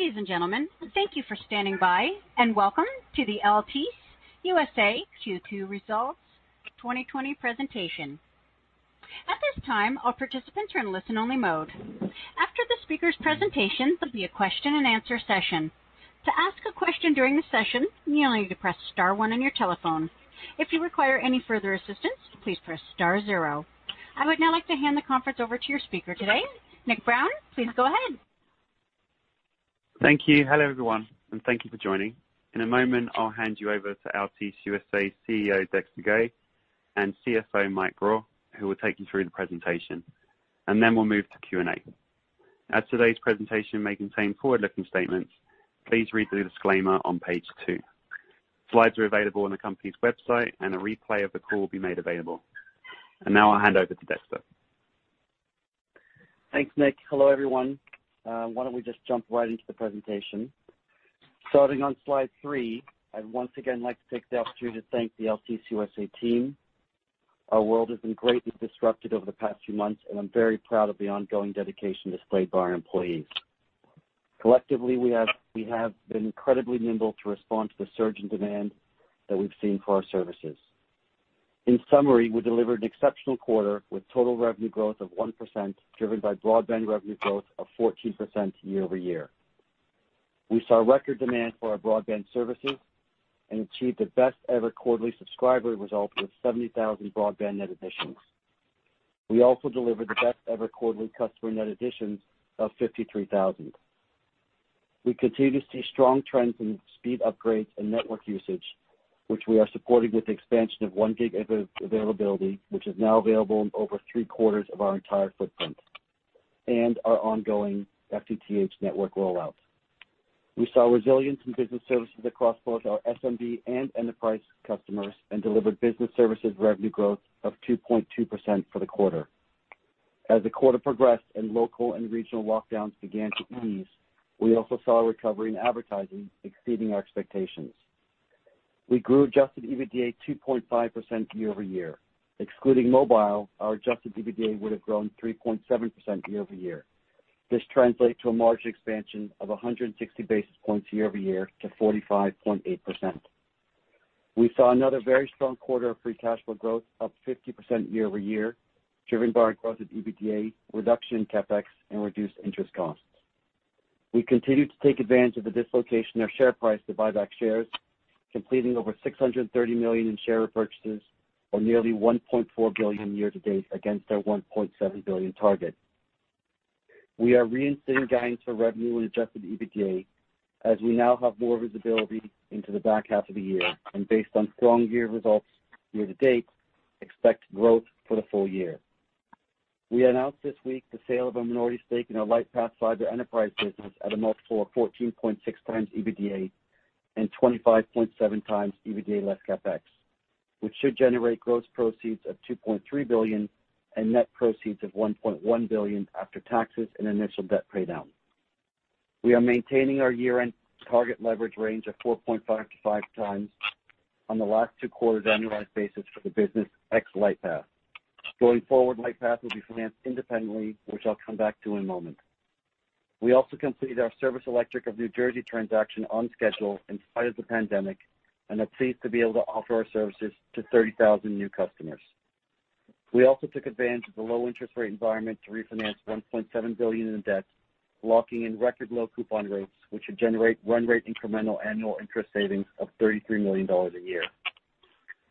Ladies and gentlemen, thank you for standing by, and welcome to the Altice USA Q2 Results 2020 presentation. At this time, all participants are in listen-only mode. After the speakers' presentation, there'll be a question and answer session. To ask a question during the session, you only need to press star one on your telephone. If you require any further assistance, please press star zero. I would now like to hand the conference over to your speaker today. Nick Brown, please go ahead. Thank you. Hello, everyone, and thank you for joining. In a moment, I'll hand you over to Altice USA CEO, Dexter Goei, and CFO, Mike Grau, who will take you through the presentation, and then we'll move to Q&A. As today's presentation may contain forward-looking statements, please read the disclaimer on page two. Slides are available on the company's website, and a replay of the call will be made available. Now I'll hand over to Dexter. Thanks, Nick. Hello, everyone. Why don't we just jump right into the presentation? Starting on slide three, I'd once again like to take the opportunity to thank the Altice USA team. Our world has been greatly disrupted over the past few months, and I'm very proud of the ongoing dedication displayed by our employees. Collectively, we have been incredibly nimble to respond to the surge in demand that we've seen for our services. In summary, we delivered an exceptional quarter with total revenue growth of 1%, driven by broadband revenue growth of 14% year over year. We saw record demand for our broadband services and achieved the best-ever quarterly subscriber result with 70,000 broadband net additions. We also delivered the best-ever quarterly customer net additions of 53,000. We continue to see strong trends in speed upgrades and network usage, which we are supporting with the expansion of one gig availability, which is now available in over three-quarters of our entire footprint and our ongoing FTTH network rollout. We saw resilience in business services across both our SMB and enterprise customers and delivered business services revenue growth of 2.2% for the quarter. As the quarter progressed and local and regional lockdowns began to ease, we also saw a recovery in advertising exceeding our expectations. We grew adjusted EBITDA 2.5% year over year. Excluding mobile, our adjusted EBITDA would have grown 3.7% year over year. This translates to a margin expansion of 100 basis points year over year to 45.8%. We saw another very strong quarter of free cash flow growth, up 50% year over year, driven by our growth of EBITDA, reduction in CapEx, and reduced interest costs. We continued to take advantage of the dislocation of share price to buy back shares, completing over $630 million in share repurchases, or nearly $1.4 billion year to date against our $1.7 billion target. We are reinstating guidance for revenue and adjusted EBITDA, as we now have more visibility into the back half of the year, and based on strong year results year to date, expect growth for the full year. We announced this week the sale of a minority stake in our Lightpath Fiber enterprise business at a multiple of 14.6 times EBITDA and 25.7 times EBITDA less CapEx, which should generate gross proceeds of $2.3 billion and net proceeds of $1.1 billion after taxes and initial debt paydown. We are maintaining our year-end target leverage range of 4.5-5 times on the last two quarters, annualized basis for the business, ex Lightpath. Going forward, Lightpath will be financed independently, which I'll come back to in a moment. We also completed our Service Electric of New Jersey transaction on schedule in spite of the pandemic, and are pleased to be able to offer our services to 30,000 new customers. We also took advantage of the low interest rate environment to refinance $1.7 billion in debt, locking in record low coupon rates, which should generate run rate incremental annual interest savings of $33 million a year.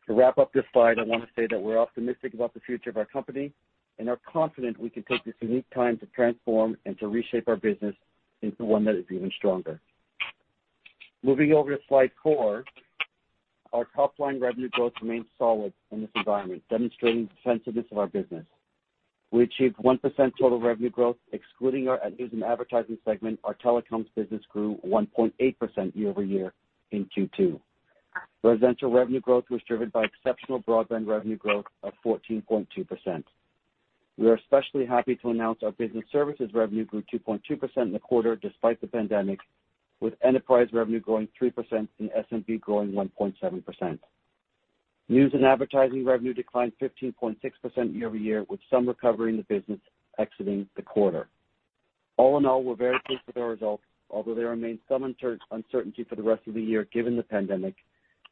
To wrap up this slide, I want to say that we're optimistic about the future of our company and are confident we can take this unique time to transform and to reshape our business into one that is even stronger. Moving over to slide four, our top-line revenue growth remains solid in this environment, demonstrating the defensiveness of our business. We achieved 1% total revenue growth. Excluding our news and advertising segment, our telecoms business grew 1.8% year over year in Q2. Residential revenue growth was driven by exceptional broadband revenue growth of 14.2%. We are especially happy to announce our business services revenue grew 2.2% in the quarter, despite the pandemic, with enterprise revenue growing 3% and SMB growing 1.7%. News and advertising revenue declined 15.6% year over year, with some recovery in the business exiting the quarter. All in all, we're very pleased with our results. Although there remains some uncertainty for the rest of the year given the pandemic,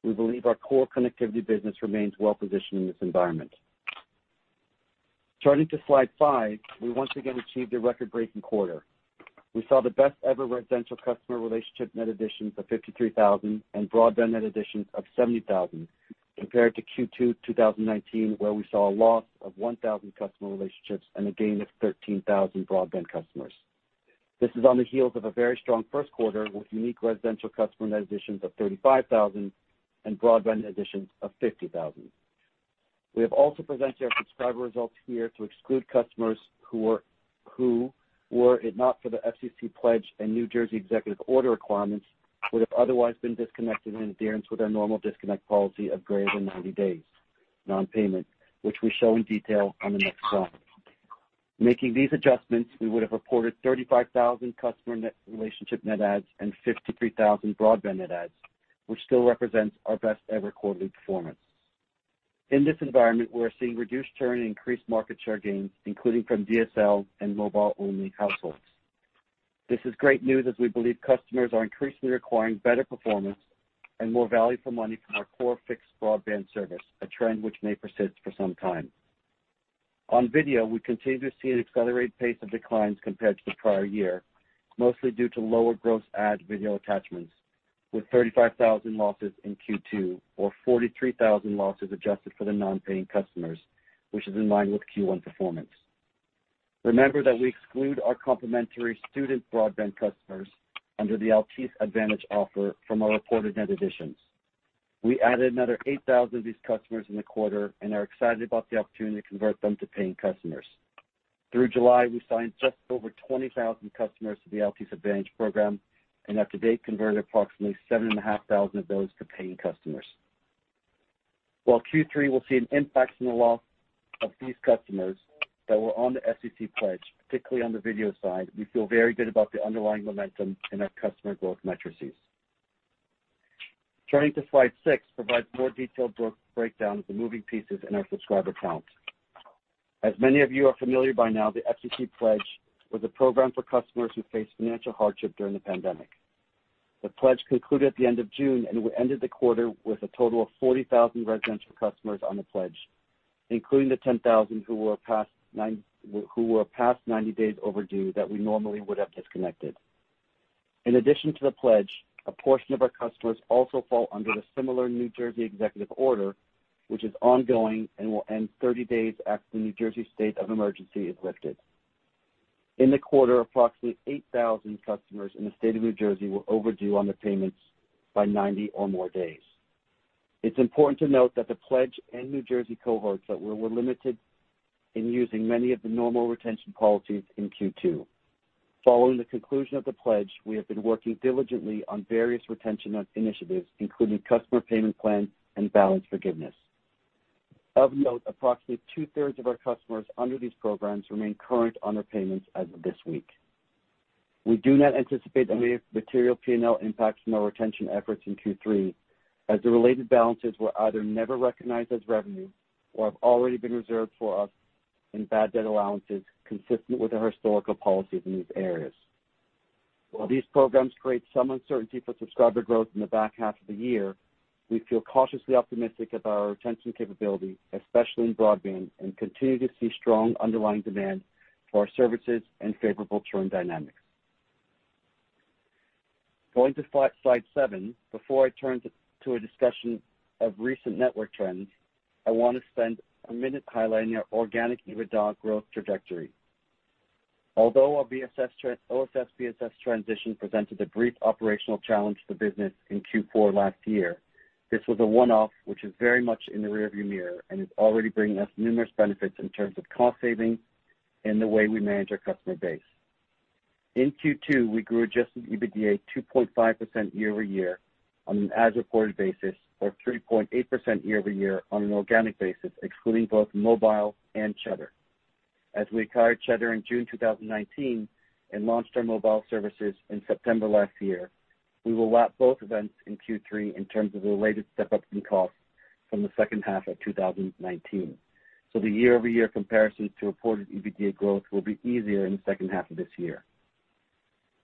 we believe our core connectivity business remains well positioned in this environment. Turning to slide five, we once again achieved a record-breaking quarter. We saw the best ever residential customer relationship net additions of 53,000 and broadband net additions of 70,000, compared to Q2 2019, where we saw a loss of 1,000 customer relationships and a gain of 13,000 broadband customers. This is on the heels of a very strong first quarter, with unique residential customer net additions of 35,000 and broadband additions of 50,000. We have also presented our subscriber results here to exclude customers who were, if not for the FCC pledge and New Jersey executive order requirements, would have otherwise been disconnected in adherence with our normal disconnect policy of greater than 90 days, non-payment, which we show in detail on the next slide. Making these adjustments, we would have reported 35,000 customer net relationship net adds and 53,000 broadband net adds, which still represents our best ever quarterly performance.... In this environment, we're seeing reduced churn and increased market share gains, including from DSL and mobile-only households. This is great news, as we believe customers are increasingly requiring better performance and more value for money from our core fixed broadband service, a trend which may persist for some time. On video, we continue to see an accelerated pace of declines compared to the prior year, mostly due to lower gross add video attachments, with 35,000 losses in Q2, or 43,000 losses adjusted for the non-paying customers, which is in line with Q1 performance. Remember that we exclude our complimentary student broadband customers under the Altice Advantage offer from our reported net additions. We added another 8,000 of these customers in the quarter and are excited about the opportunity to convert them to paying customers. Through July, we signed just over 20,000 customers to the Altice Advantage program, and to date, converted approximately 7,500 of those to paying customers. While Q3 will see an impact from the loss of these customers that were on the FCC pledge, particularly on the video side, we feel very good about the underlying momentum in our customer growth matrices. Turning to slide six, provides more detailed breakdown of the moving pieces in our subscriber count. As many of you are familiar by now, the FCC pledge was a program for customers who faced financial hardship during the pandemic. The pledge concluded at the end of June, and we ended the quarter with a total of 40,000 residential customers on the pledge, including the 10,000 who were past ninety days overdue, that we normally would have disconnected. In addition to the pledge, a portion of our customers also fall under the similar New Jersey executive order, which is ongoing and will end thirty days after the New Jersey state of emergency is lifted. In the quarter, approximately 8,000 customers in the state of New Jersey were overdue on their payments by ninety or more days. It's important to note that the pledge and New Jersey cohorts that were limited in using many of the normal retention policies in Q2. Following the conclusion of the pledge, we have been working diligently on various retention initiatives, including customer payment plans and balance forgiveness. Of note, approximately two-thirds of our customers under these programs remain current on their payments as of this week. We do not anticipate any material P&L impacts from our retention efforts in Q3, as the related balances were either never recognized as revenue or have already been reserved for us in bad debt allowances, consistent with our historical policy in these areas. While these programs create some uncertainty for subscriber growth in the back half of the year, we feel cautiously optimistic about our retention capability, especially in broadband, and continue to see strong underlying demand for our services and favorable churn dynamics. Going to slide seven, before I turn to a discussion of recent network trends, I want to spend a minute highlighting our organic EBITDA growth trajectory. Although our OSS/BSS transition presented a brief operational challenge to the business in Q4 last year, this was a one-off, which is very much in the rearview mirror and is already bringing us numerous benefits in terms of cost savings and the way we manage our customer base. In Q2, we grew adjusted EBITDA 2.5% year over year on an as-reported basis or 3.8% year over year on an organic basis, excluding both mobile and Cheddar. As we acquired Cheddar in June 2019 and launched our mobile services in September last year, we will lap both events in Q3 in terms of the related step-up in costs from the second half of 2019, so the year-over-year comparisons to reported EBITDA growth will be easier in the second half of this year.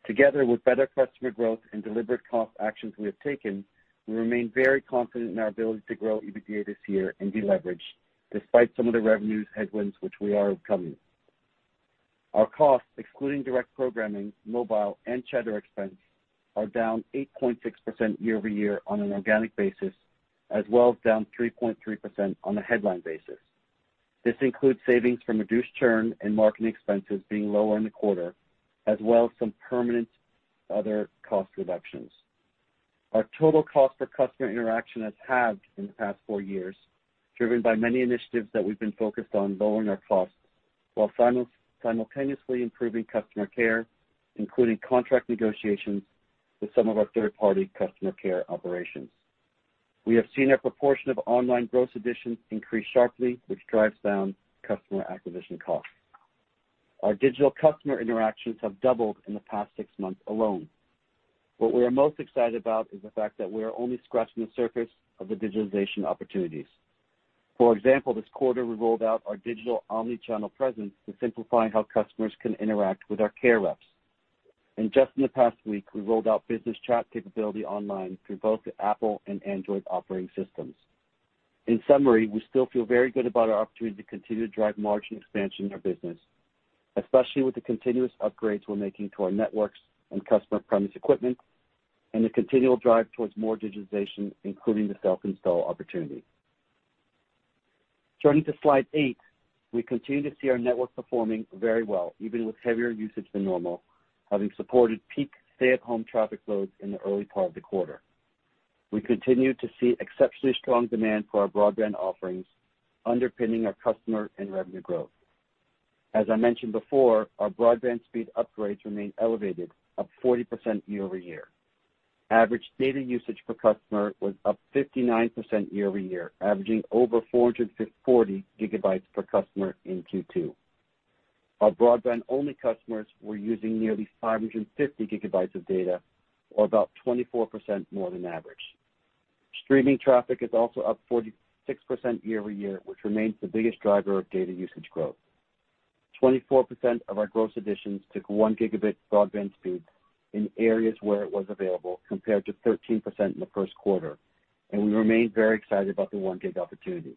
Together with better customer growth and deliberate cost actions we have taken, we remain very confident in our ability to grow EBITDA this year and deleverage, despite some of the revenues headwinds, which we are overcoming. Our costs, excluding direct programming, mobile, and Cheddar expense, are down 8.6% year over year on an organic basis, as well as down 3.3% on a headline basis. This includes savings from reduced churn and marketing expenses being lower in the quarter, as well as some permanent other cost reductions. Our total cost per customer interaction has halved in the past four years, driven by many initiatives that we've been focused on lowering our costs while simultaneously improving customer care, including contract negotiations with some of our third-party customer care operations. We have seen our proportion of online gross additions increase sharply, which drives down customer acquisition costs. Our digital customer interactions have doubled in the past six months alone. What we are most excited about is the fact that we are only scratching the surface of the digitalization opportunities. For example, this quarter, we rolled out our digital omni-channel presence to simplify how customers can interact with our care reps. And just in the past week, we rolled out business chat capability online through both the Apple and Android operating systems. In summary, we still feel very good about our opportunity to continue to drive margin expansion in our business, especially with the continuous upgrades we're making to our networks and customer premises equipment, and the continual drive towards more digitization, including the self-install opportunity. Turning to slide eight, we continue to see our network performing very well, even with heavier usage than normal, having supported peak stay-at-home traffic loads in the early part of the quarter. We continue to see exceptionally strong demand for our broadband offerings, underpinning our customer and revenue growth. As I mentioned before, our broadband speed upgrades remain elevated, up 40% year over year. Average data usage per customer was up 59% year over year, averaging over four hundred and fifty-four gigabytes per customer in Q2. Our broadband-only customers were using nearly five hundred and fifty gigabytes of data, or about 24% more than average. Streaming traffic is also up 46% year-over-year, which remains the biggest driver of data usage growth. 24% of our gross additions took one gigabit broadband speeds in areas where it was available, compared to 13% in the first quarter, and we remain very excited about the one gig opportunity.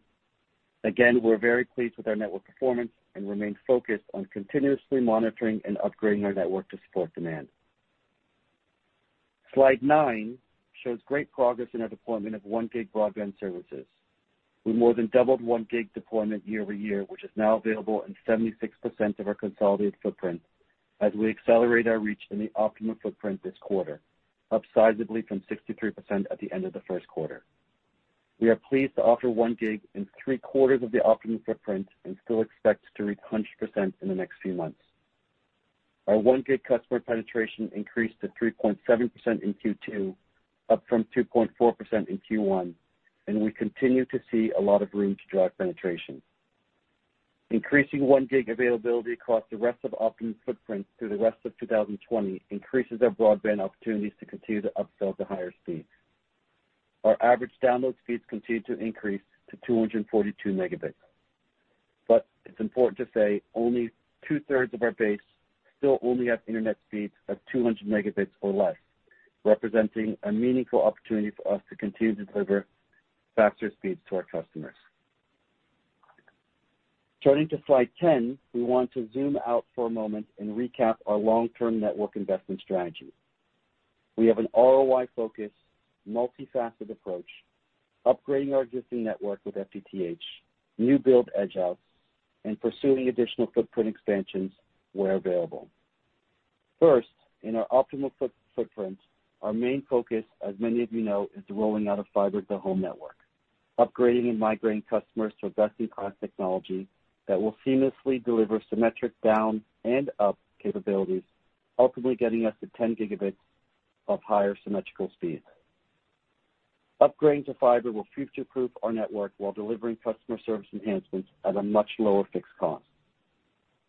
Again, we're very pleased with our network performance and remain focused on continuously monitoring and upgrading our network to support demand. Slide nine shows great progress in our deployment of one gig broadband services. We more than doubled one gig deployment year-over-year, which is now available in 76% of our consolidated footprint as we accelerate our reach in the Optimum footprint this quarter, up sizably from 63% at the end of the first quarter. We are pleased to offer one gig in three quarters of the Optimum footprint and still expect to reach 100% in the next few months. Our one gig customer penetration increased to 3.7% in Q2, up from 2.4% in Q1, and we continue to see a lot of room to drive penetration. Increasing one gig availability across the rest of Optimum footprint through the rest of 2020 increases our broadband opportunities to continue to upsell to higher speeds. Our average download speeds continue to increase to 242 megabits. But it's important to say, only two-thirds of our base still only have internet speeds of 200 megabits or less, representing a meaningful opportunity for us to continue to deliver faster speeds to our customers. Turning to slide 10, we want to zoom out for a moment and recap our long-term network investment strategy. We have an ROI-focused, multifaceted approach, upgrading our existing network with FTTH, new build edge outs, and pursuing additional footprint expansions where available. First, in our Optimum footprint, our main focus, as many of you know, is the rolling out of fiber to home network, upgrading and migrating customers to best-in-class technology that will seamlessly deliver symmetric down and up capabilities, ultimately getting us to 10 gigabits of higher symmetrical speed. Upgrading to fiber will future-proof our network while delivering customer service enhancements at a much lower fixed cost.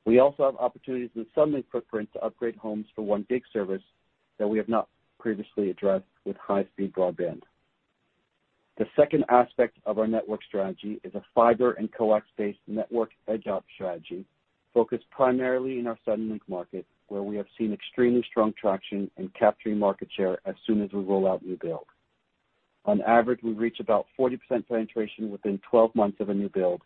We also have opportunities in the Suddenlink footprint to upgrade homes for 1 gig service that we have not previously addressed with high-speed broadband. The second aspect of our network strategy is a fiber and coax-based network edge out strategy, focused primarily in our Suddenlink market, where we have seen extremely strong traction in capturing market share as soon as we roll out new build. On average, we reach about 40% penetration within 12 months of a new build,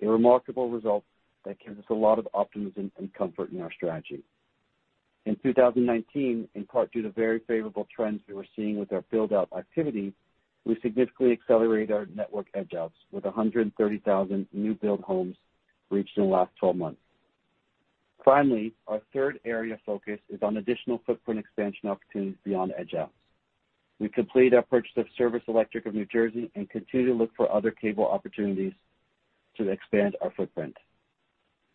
a remarkable result that gives us a lot of optimism and comfort in our strategy. In 2019, in part due to very favorable trends we were seeing with our build-out activity, we significantly accelerated our network edge outs with 130,000 new build homes reached in the last 12 months. Finally, our third area of focus is on additional footprint expansion opportunities beyond edge outs. We completed our purchase of Service Electric of New Jersey and continue to look for other cable opportunities to expand our footprint.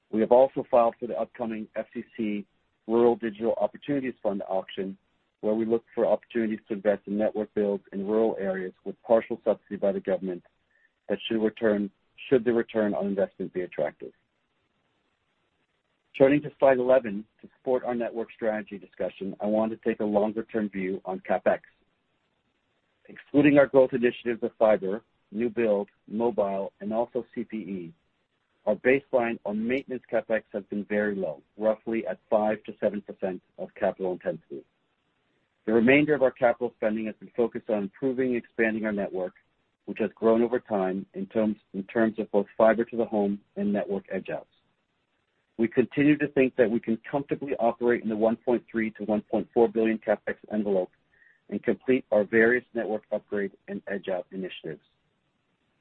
We have also filed for the upcoming FCC Rural Digital Opportunities Fund auction, where we look for opportunities to invest in network builds in rural areas with partial subsidy by the government that should the return on investment be attractive. Turning to slide 11, to support our network strategy discussion, I want to take a longer-term view on CapEx. Excluding our growth initiatives of fiber, new build, mobile, and also CPE, our baseline on maintenance CapEx has been very low, roughly at 5%-7% of capital intensity. The remainder of our capital spending has been focused on improving and expanding our network, which has grown over time in terms, in terms of both fiber to the home and network edge outs. We continue to think that we can comfortably operate in the $1.3 billion-$1.4 billion CapEx envelope and complete our various network upgrade and edge out initiatives.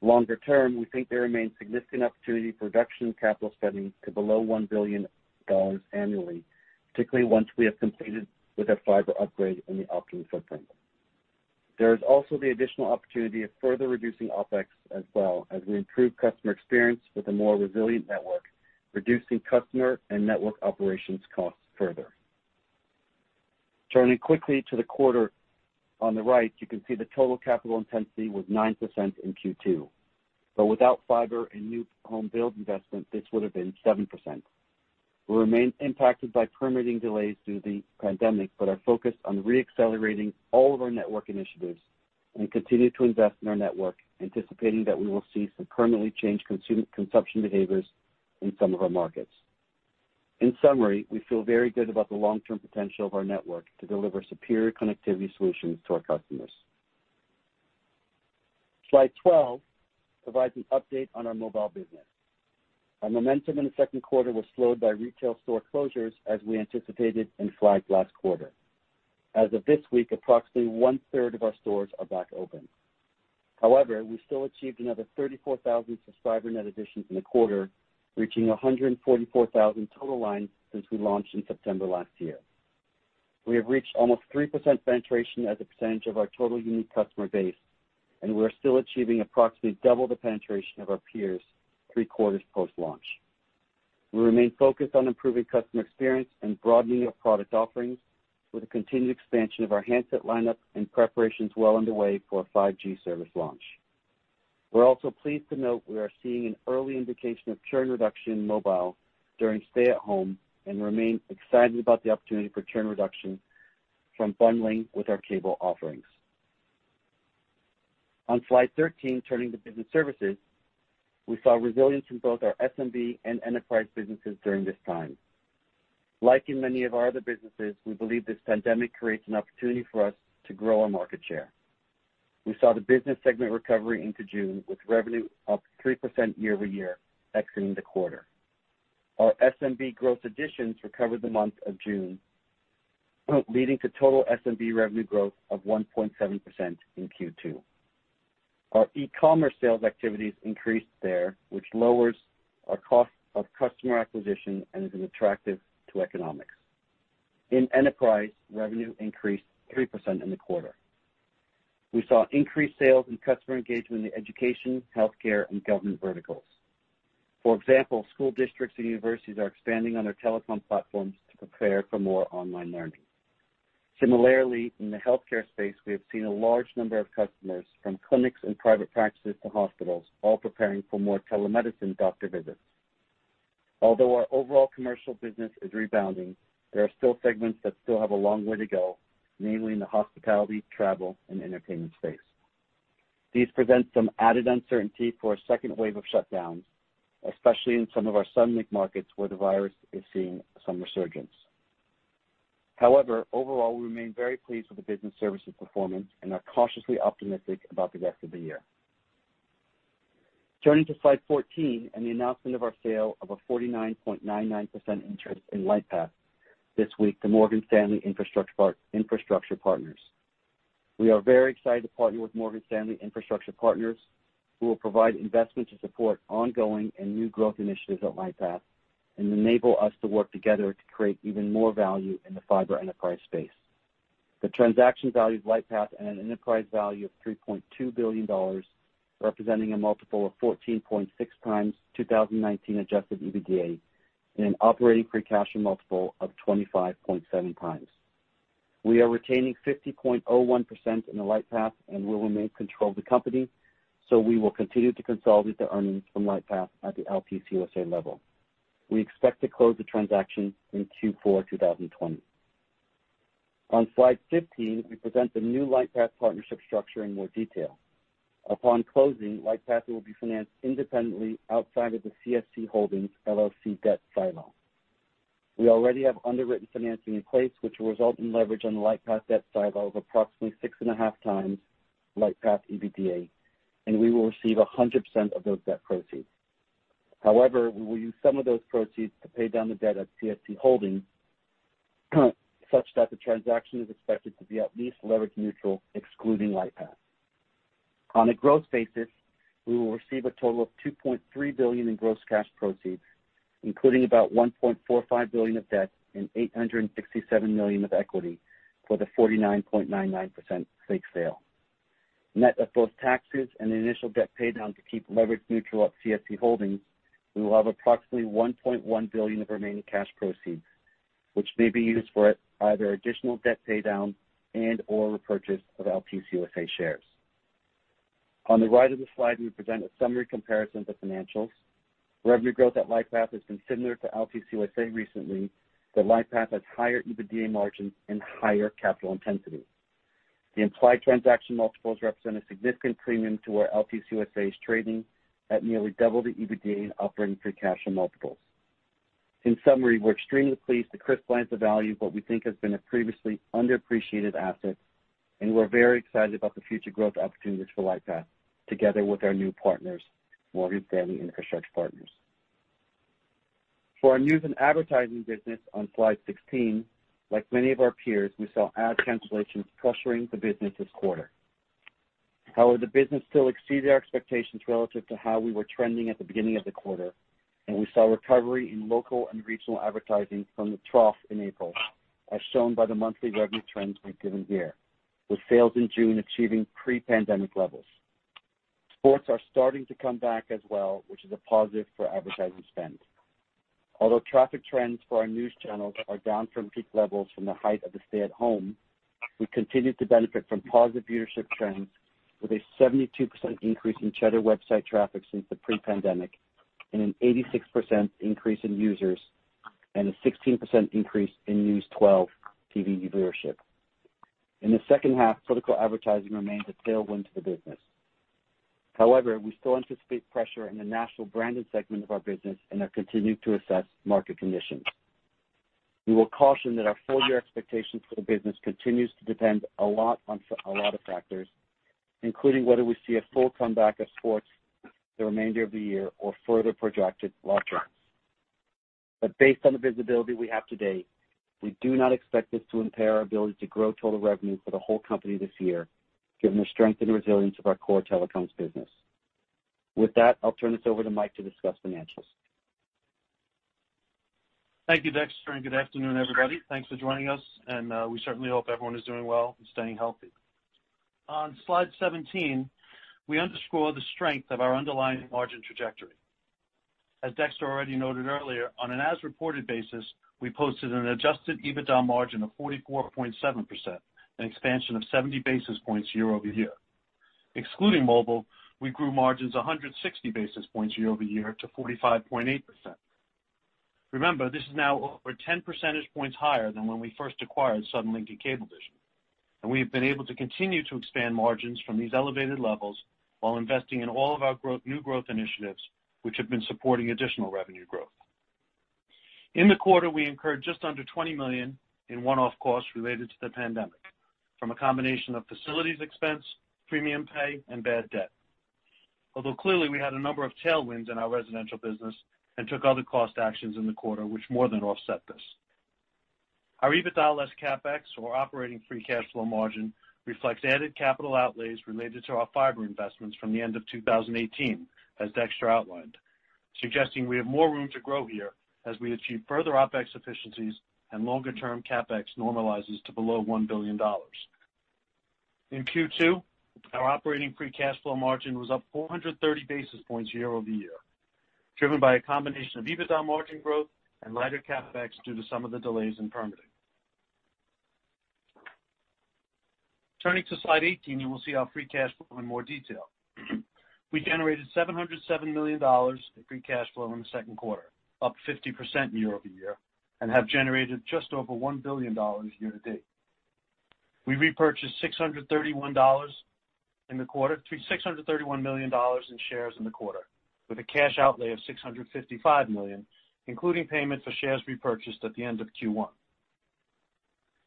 Longer term, we think there remains significant opportunity for reduction in capital spending to below $1 billion annually, particularly once we have completed with our fiber upgrade in the Optimum footprint. There is also the additional opportunity of further reducing OpEx as well, as we improve customer experience with a more resilient network, reducing customer and network operations costs further. Turning quickly to the quarter, on the right, you can see the total capital intensity was 9% in Q2, but without fiber and new home build investment, this would have been 7%. We remain impacted by permitting delays due to the pandemic, but are focused on re-accelerating all of our network initiatives and continue to invest in our network, anticipating that we will see some permanently changed consumption behaviors in some of our markets. In summary, we feel very good about the long-term potential of our network to deliver superior connectivity solutions to our customers. Slide 12 provides an update on our mobile business. Our momentum in the second quarter was slowed by retail store closures, as we anticipated and flagged last quarter. As of this week, approximately one-third of our stores are back open. However, we still achieved another 34,000 subscriber net additions in the quarter, reaching 144,000 total lines since we launched in September last year. We have reached almost 3% penetration as a percentage of our total unique customer base, and we are still achieving approximately double the penetration of our peers three quarters post-launch. We remain focused on improving customer experience and broadening our product offerings with a continued expansion of our handset lineup and preparations well underway for a 5G service launch. We're also pleased to note we are seeing an early indication of churn reduction in mobile during stay-at-home, and remain excited about the opportunity for churn reduction from bundling with our cable offerings. On slide 13, turning to business services, we saw resilience in both our SMB and enterprise businesses during this time. Like in many of our other businesses, we believe this pandemic creates an opportunity for us to grow our market share. We saw the business segment recovery into June, with revenue up 3% year over year, exiting the quarter. Our SMB growth additions recovered the month of June, leading to total SMB revenue growth of 1.7% in Q2. Our e-commerce sales activities increased there, which lowers our cost of customer acquisition and is attractive to economics. In enterprise, revenue increased 3% in the quarter. We saw increased sales and customer engagement in the education, healthcare, and government verticals. For example, school districts and universities are expanding on their telecom platforms to prepare for more online learning. Similarly, in the healthcare space, we have seen a large number of customers, from clinics and private practices to hospitals, all preparing for more telemedicine doctor visits. Although our overall commercial business is rebounding, there are still segments that still have a long way to go, namely in the hospitality, travel, and entertainment space. These present some added uncertainty for a second wave of shutdowns, especially in some of our Suddenlink markets, where the virus is seeing some resurgence. However, overall, we remain very pleased with the business services performance and are cautiously optimistic about the rest of the year. Turning to slide 14 and the announcement of our sale of a 49.99% interest in Lightpath this week to Morgan Stanley Infrastructure Partners. We are very excited to partner with Morgan Stanley Infrastructure Partners, who will provide investment to support ongoing and new growth initiatives at Lightpath and enable us to work together to create even more value in the fiber enterprise space. The transaction values Lightpath at an enterprise value of $3.2 billion, representing a multiple of 14.6 times 2019 adjusted EBITDA and an operating free cash flow multiple of 25.7 times. We are retaining 50.01% in the Lightpath and will remain control of the company, so we will continue to consolidate the earnings from Lightpath at the Altice USA level. We expect to close the transaction in Q4 2020. On slide 15, we present the new Lightpath partnership structure in more detail. Upon closing, Lightpath will be financed independently outside of the CSC Holdings LLC debt silo. We already have underwritten financing in place, which will result in leverage on the Lightpath debt silo of approximately 6.5 times Lightpath EBITDA, and we will receive 100% of those debt proceeds. However, we will use some of those proceeds to pay down the debt at CSC Holdings, such that the transaction is expected to be at least leverage neutral, excluding Lightpath. On a gross basis, we will receive a total of $2.3 billion in gross cash proceeds, including about $1.45 billion of debt and $867 million of equity for the 49.99% stake sale. Net of both taxes and the initial debt pay down to keep leverage neutral at CSC Holdings, we will have approximately $1.1 billion of remaining cash proceeds, which may be used for either additional debt pay down and/or repurchase of Altice USA shares. On the right of the slide, we present a summary comparison of the financials. Revenue growth at Lightpath has been similar to Altice USA recently, but Lightpath has higher EBITDA margins and higher capital intensity. The implied transaction multiples represent a significant premium to where Altice USA is trading at nearly double the EBITDA and operating free cash flow multiples. In summary, we're extremely pleased to crystallize the value of what we think has been a previously underappreciated asset, and we're very excited about the future growth opportunities for Lightpath together with our new partners, Morgan Stanley Infrastructure Partners. For our news and advertising business on slide 16, like many of our peers, we saw ad cancellations pressuring the business this quarter. However, the business still exceeded our expectations relative to how we were trending at the beginning of the quarter, and we saw recovery in local and regional advertising from the trough in April, as shown by the monthly revenue trends we've given here, with sales in June achieving pre-pandemic levels. Sports are starting to come back as well, which is a positive for advertising spend. Although traffic trends for our news channels are down from peak levels from the height of the stay-at-home, we continued to benefit from positive viewership trends, with a 72% increase in Cheddar website traffic since the pre-pandemic, and an 86% increase in users, and a 16% increase in News 12 TV viewership. In the second half, political advertising remained a tailwind to the business. However, we still anticipate pressure in the national branded segment of our business and are continuing to assess market conditions. We will caution that our full year expectations for the business continues to depend a lot on a lot of factors, including whether we see a full comeback of sports the remainder of the year or further projected lockdowns, but based on the visibility we have to date, we do not expect this to impair our ability to grow total revenue for the whole company this year, given the strength and resilience of our core telecoms business. With that, I'll turn this over to Mike to discuss financials. Thank you, Dexter, and good afternoon, everybody. Thanks for joining us, and we certainly hope everyone is doing well and staying healthy. On slide 17, we underscore the strength of our underlying margin trajectory. As Dexter already noted earlier, on an as-reported basis, we posted an adjusted EBITDA margin of 44.7%, an expansion of 70 basis points year over year. Excluding mobile, we grew margins 160 basis points year over year to 45.8%. Remember, this is now over 10 percentage points higher than when we first acquired Suddenlink and Cablevision, and we have been able to continue to expand margins from these elevated levels while investing in all of our growth, new growth initiatives, which have been supporting additional revenue growth. In the quarter, we incurred just under $20 million in one-off costs related to the pandemic, from a combination of facilities expense, premium pay, and bad debt. Although clearly, we had a number of tailwinds in our residential business and took other cost actions in the quarter, which more than offset this. Our EBITDA less CapEx, or operating free cash flow margin, reflects added capital outlays related to our fiber investments from the end of 2018, as Dexter outlined, suggesting we have more room to grow here as we achieve further OpEx efficiencies and longer-term CapEx normalizes to below $1 billion. In Q2, our operating free cash flow margin was up 430 basis points year over year, driven by a combination of EBITDA margin growth and lighter CapEx due to some of the delays in permitting. Turning to slide 18, you will see our free cash flow in more detail. We generated $707 million in free cash flow in the second quarter, up 50% year over year, and have generated just over $1 billion year to date. We repurchased $631 million in shares in the quarter, with a cash outlay of $655 million, including payment for shares repurchased at the end of Q1.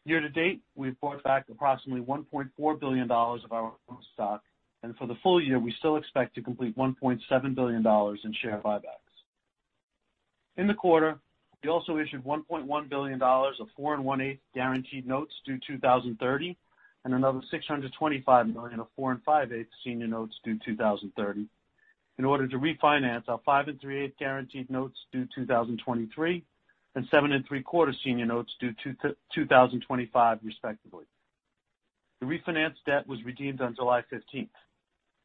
Year to date, we've bought back approximately $1.4 billion of our own stock, and for the full year, we still expect to complete $1.7 billion in share buybacks. In the quarter, we also issued $1.1 billion of 4 1/8% guaranteed notes due 2030, and another $625 million of 4 5/8% senior notes due 2030, in order to refinance our 5 3/8% guaranteed notes due 2023, and 7 3/4% senior notes due 2025, respectively. The refinanced debt was redeemed on July fifteenth.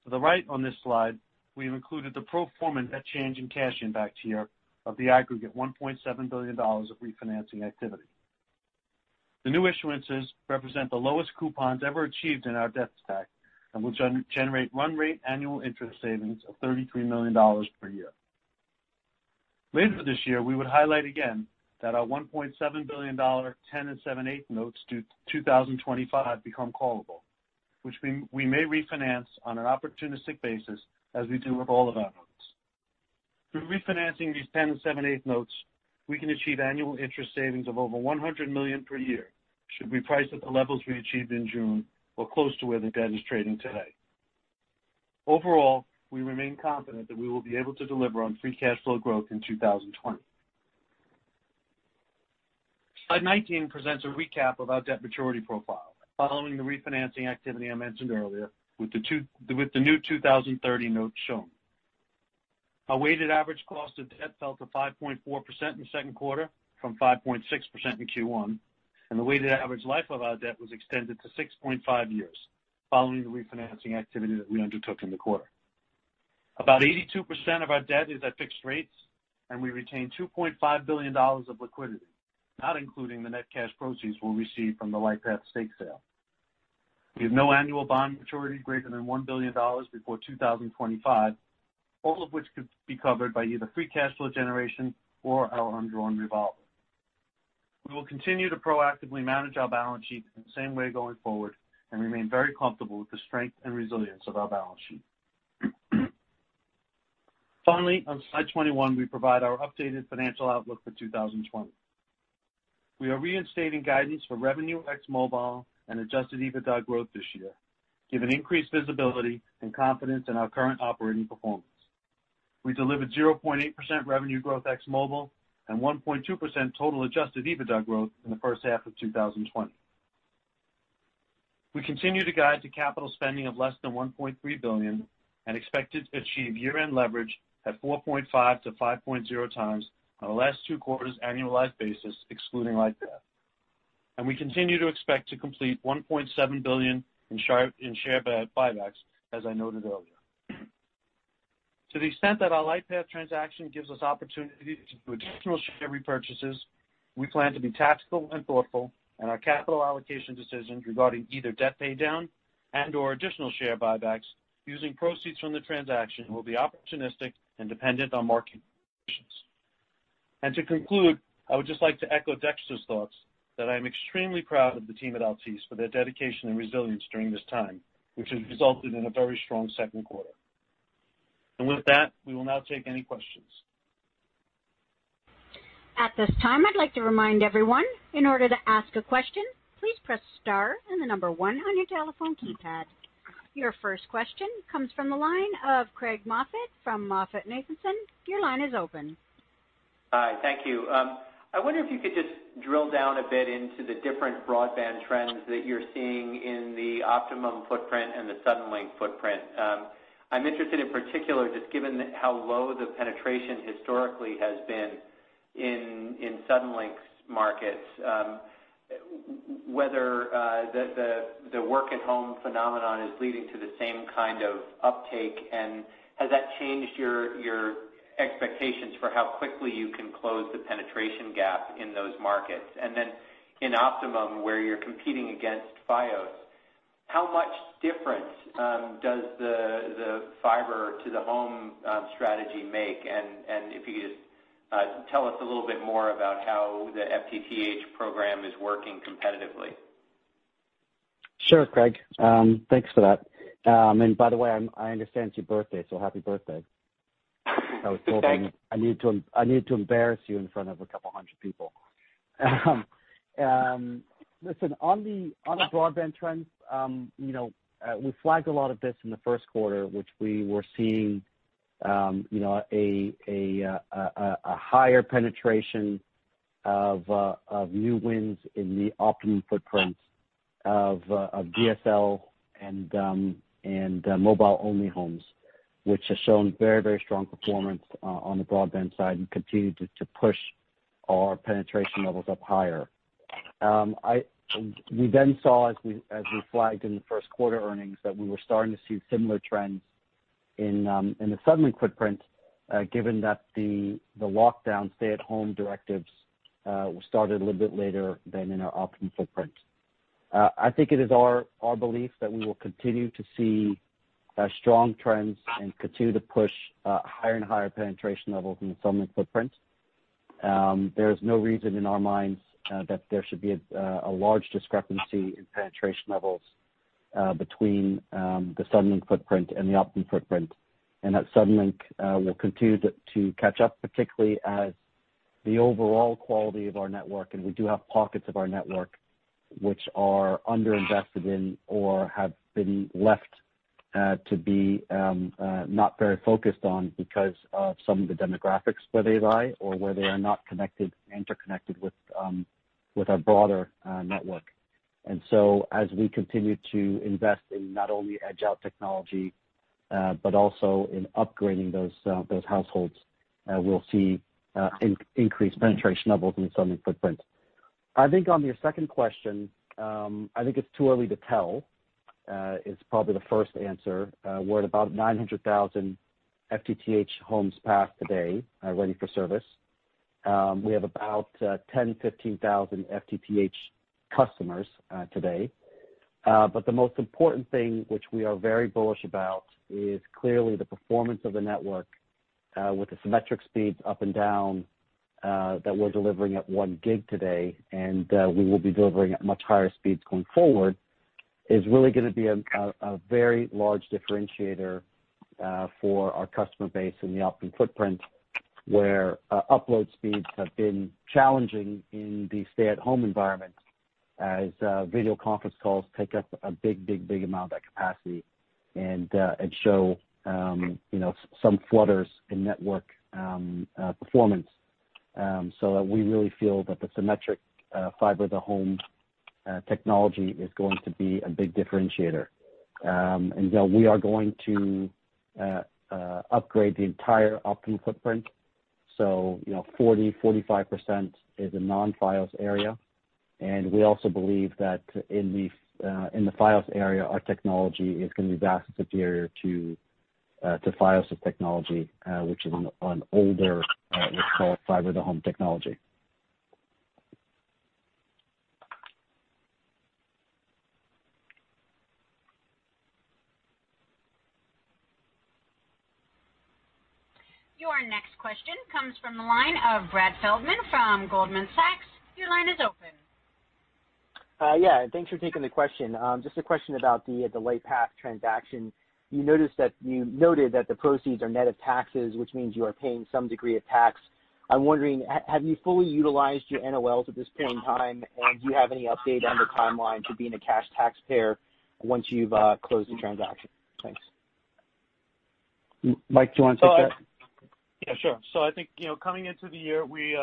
To the right on this slide, we have included the pro forma net change in cash impact here of the aggregate $1.7 billion of refinancing activity. The new issuances represent the lowest coupons ever achieved in our debt stack and will generate run rate annual interest savings of $33 million per year. Later this year, we would highlight again that our $1.7 billion, 10 7/8% notes due 2025 become callable, which we may refinance on an opportunistic basis as we do with all of our notes. Through refinancing these 10 7/8% notes, we can achieve annual interest savings of over $100 million per year, should we price at the levels we achieved in June or close to where the debt is trading today. Overall, we remain confident that we will be able to deliver on free cash flow growth in 2020. Slide 19 presents a recap of our debt maturity profile following the refinancing activity I mentioned earlier, with the new 2030 notes shown. Our weighted average cost of debt fell to 5.4% in the second quarter from 5.6% in Q1, and the weighted average life of our debt was extended to 6.5 years following the refinancing activity that we undertook in the quarter. About 82% of our debt is at fixed rates, and we retain $2.5 billion of liquidity, not including the net cash proceeds we'll receive from the Lightpath stake sale. We have no annual bond maturity greater than $1 billion before 2025, all of which could be covered by either free cash flow generation or our undrawn revolver. We will continue to proactively manage our balance sheet in the same way going forward and remain very comfortable with the strength and resilience of our balance sheet. Finally, on slide 21, we provide our updated financial outlook for 2020. We are reinstating guidance for revenue ex mobile and adjusted EBITDA growth this year, given increased visibility and confidence in our current operating performance. We delivered 0.8% revenue growth ex mobile and 1.2% total adjusted EBITDA growth in the first half of 2020. We continue to guide to capital spending of less than $1.3 billion and expect to achieve year-end leverage at 4.5-5.0 times on a last two quarters annualized basis, excluding Lightpath. We continue to expect to complete $1.7 billion in share buybacks, as I noted earlier. To the extent that our Lightpath transaction gives us opportunity to do additional share repurchases, we plan to be tactical and thoughtful in our capital allocation decisions regarding either debt paydown and/or additional share buybacks. Using proceeds from the transaction will be opportunistic and dependent on market conditions. And to conclude, I would just like to echo Dexter's thoughts that I am extremely proud of the team at Altice for their dedication and resilience during this time, which has resulted in a very strong second quarter. And with that, we will now take any questions. At this time, I'd like to remind everyone, in order to ask a question, please press star and the number one on your telephone keypad. Your first question comes from the line of Craig Moffett from MoffettNathanson. Your line is open. Hi, thank you. I wonder if you could just drill down a bit into the different broadband trends that you're seeing in the Optimum footprint and the Suddenlink footprint. I'm interested in particular, just given how low the penetration historically has been,... in Suddenlink's markets, whether the work at home phenomenon is leading to the same kind of uptake, and has that changed your expectations for how quickly you can close the penetration gap in those markets? And then in Optimum, where you're competing against Fios, how much difference does the fiber to the home strategy make? And if you could just tell us a little bit more about how the FTTH program is working competitively. Sure, Craig, thanks for that, and by the way, I understand it's your birthday, so happy birthday. Thanks. I was hoping to embarrass you in front of a couple hundred people. Listen, on the broadband trends, you know, we flagged a lot of this in the first quarter, which we were seeing, you know, a higher penetration of new wins in the Optimum footprint of DSL and mobile-only homes, which has shown very, very strong performance on the broadband side and continued to push our penetration levels up higher. We then saw, as we flagged in the first quarter earnings, that we were starting to see similar trends in the Suddenlink footprint, given that the lockdown stay-at-home directives were started a little bit later than in our Optimum footprint. I think it is our belief that we will continue to see strong trends and continue to push higher and higher penetration levels in the Suddenlink footprint. There is no reason in our minds that there should be a large discrepancy in penetration levels between the Suddenlink footprint and the Optimum footprint, and that Suddenlink will continue to catch up, particularly as the overall quality of our network, and we do have pockets of our network which are underinvested in or have been left to be not very focused on because of some of the demographics where they lie or where they are not connected, interconnected with our broader network. And so as we continue to invest in not only agile technology, but also in upgrading those households, we'll see increased penetration levels in the Suddenlink footprint. I think on your second question, I think it's too early to tell is probably the first answer. We're at about 900,000 FTTH homes passed today, ready for service. We have about 10-15 thousand FTTH customers today. But the most important thing, which we are very bullish about, is clearly the performance of the network, with the symmetric speeds up and down that we're delivering at one gig today, and we will be delivering at much higher speeds going forward, is really gonna be a very large differentiator for our customer base in the Optimum footprint, where upload speeds have been challenging in the stay-at-home environment as video conference calls take up a big, big, big amount of that capacity and show, you know, some flutters in network performance. So we really feel that the symmetric fiber to home technology is going to be a big differentiator. And, you know, we are going to upgrade the entire Optimum footprint. You know, 40%-45% is a non-Fios area. We also believe that in the Fios area, our technology is gonna be vastly superior to Fios' technology, which is an older, let's call it fiber to home technology. Your next question comes from the line of Brett Feldman from Goldman Sachs. Your line is open. Yeah, thanks for taking the question. Just a question about the Lightpath transaction. You noted that the proceeds are net of taxes, which means you are paying some degree of tax. I'm wondering, have you fully utilized your NOLs at this point in time? And do you have any update on the timeline to being a cash taxpayer once you've closed the transaction? Thanks. Mike, do you want to take that? Yeah, sure. So I think, you know, coming into the year, we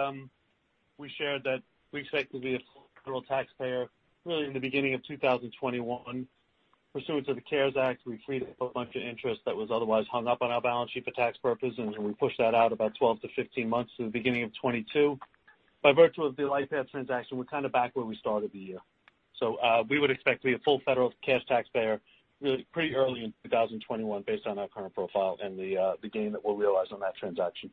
shared that we expect to be a full federal taxpayer really in the beginning of 2021. Pursuant to the CARES Act, we created a bunch of interest that was otherwise hung up on our balance sheet for tax purposes, and we pushed that out about 12-15 months to the beginning of 2022. By virtue of the Lightpath transaction, we're kind of back where we started the year. So, we would expect to be a full federal cash taxpayer really pretty early in 2021 based on our current profile and the gain that we'll realize on that transaction.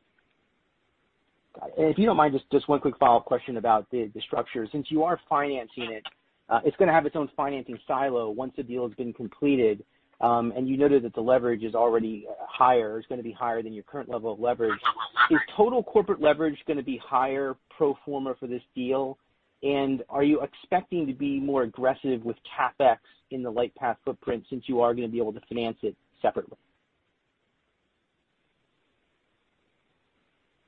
And if you don't mind, one quick follow-up question about the structure. Since you are financing it, it's gonna have its own financing silo once the deal has been completed, and you noted that the leverage is already higher, it's gonna be higher than your current level of leverage. Is total corporate leverage gonna be higher pro forma for this deal? And are you expecting to be more aggressive with CapEx in the Lightpath footprint since you are gonna be able to finance it separately?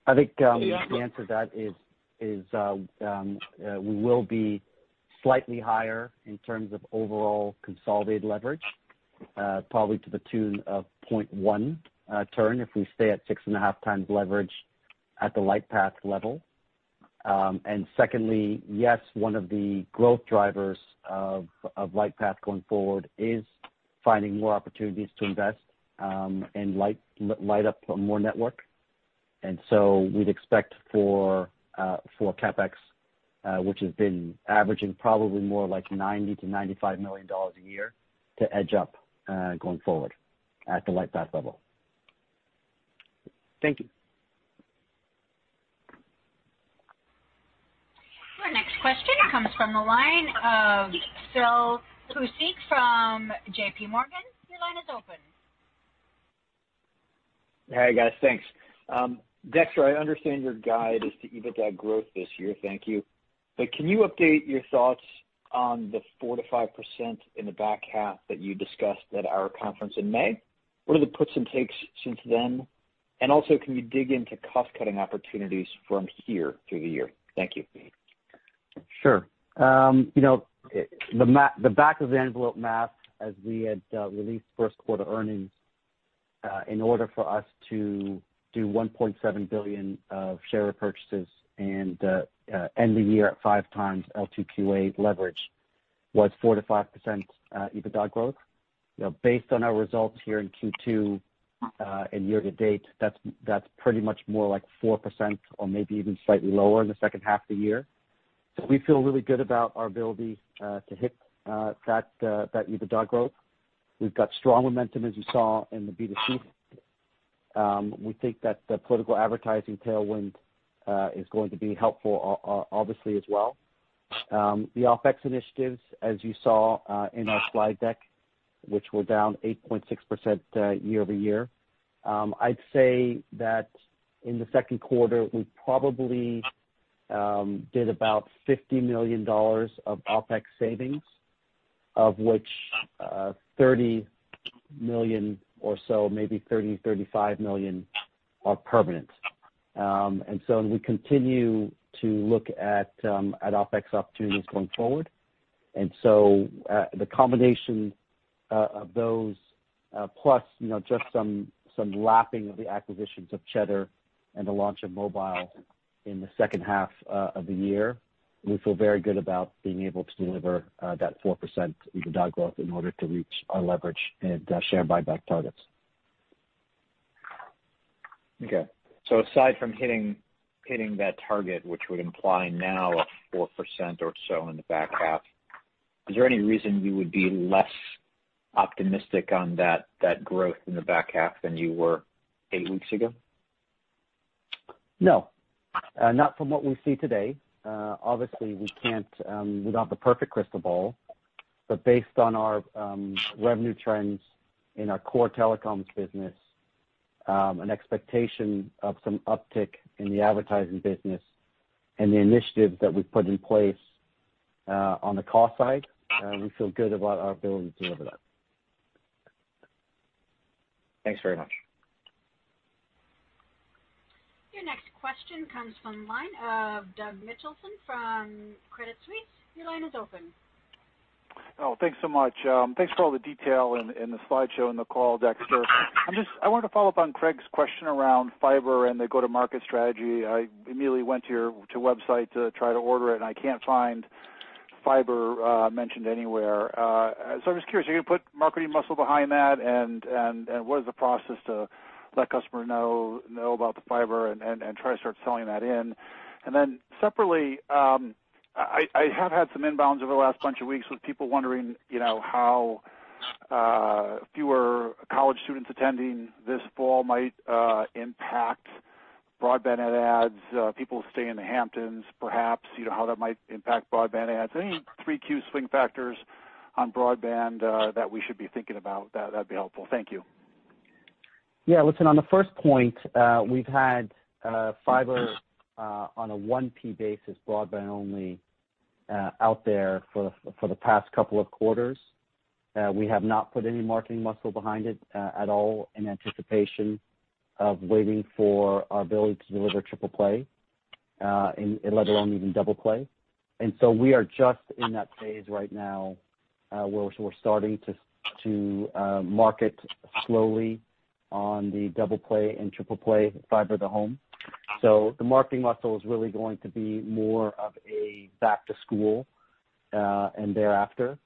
I think the answer to that is we will be slightly higher in terms of overall consolidated leverage, probably to the tune of point one turn, if we stay at six and a half times leverage at the Lightpath level. Secondly, yes, one of the growth drivers of Lightpath going forward is finding more opportunities to invest and light up more network. So we'd expect for CapEx, which has been averaging probably more like $90 million-$95 million a year, to edge up going forward at the Lightpath level. Thank you. Our next question comes from the line of Phil Cusick from JPMorgan. Your line is open. Hey, guys. Thanks. Dexter, I understand your guide is to EBITDA growth this year, thank you. But can you update your thoughts on the 4%-5% in the back half that you discussed at our conference in May? What are the puts and takes since then? And also, can you dig into cost-cutting opportunities from here through the year? Thank you. Sure. You know, the back of the envelope math, as we had released first quarter earnings, in order for us to do $1.7 billion of share repurchases and end the year at five times L2QA leverage, was 4%-5% EBITDA growth. You know, based on our results here in Q2 and year to date, that's pretty much more like 4% or maybe even slightly lower in the second half of the year. So we feel really good about our ability to hit that EBITDA growth. We've got strong momentum, as you saw in the B2C. We think that the political advertising tailwind is going to be helpful obviously, as well. The OpEx initiatives, as you saw, in our slide deck, which were down 8.6%, year over year, I'd say that in the second quarter, we probably did about $50 million of OpEx savings, of which, $30 million or so, maybe $30 million-$35 million, are permanent, and so we continue to look at OpEx opportunities going forward, and so the combination of those, plus, you know, just some lapping of the acquisitions of Cheddar and the launch of mobile in the second half of the year, we feel very good about being able to deliver that 4% EBITDA growth in order to reach our leverage and share buyback targets. Okay. So aside from hitting that target, which would imply now a 4% or so in the back half, is there any reason you would be less optimistic on that growth in the back half than you were eight weeks ago? No. Not from what we see today. Obviously, we can't. We don't have the perfect crystal ball, but based on our revenue trends in our core telecoms business, an expectation of some uptick in the advertising business and the initiatives that we've put in place, on the cost side, we feel good about our ability to deliver that. Thanks very much. Your next question comes from the line of Doug Mitchelson from Credit Suisse. Your line is open. Oh, thanks so much. Thanks for all the detail in the slideshow and the call, Dexter. I'm just. I wanted to follow up on Craig's question around fiber and the go-to-market strategy. I immediately went to your website to try to order it, and I can't find fiber mentioned anywhere. So I'm just curious, are you gonna put marketing muscle behind that? And what is the process to let customer know about the fiber and try to start selling that in? And then separately, I have had some inbounds over the last bunch of weeks with people wondering, you know, how fewer college students attending this fall might impact broadband and ads, people staying in the Hamptons, perhaps, you know, how that might impact broadband ads. Any 3Q swing factors on broadband that we should be thinking about? That'd be helpful. Thank you. Yeah. Listen, on the first point, we've had fiber on a 1P basis, broadband only, out there for the past couple of quarters. We have not put any marketing muscle behind it at all, in anticipation of waiting for our ability to deliver triple play, and let alone even double play. And so we are just in that phase right now, where we're starting to market slowly on the double play and triple play fiber to home. So the marketing muscle is really going to be more of a back to school, and thereafter.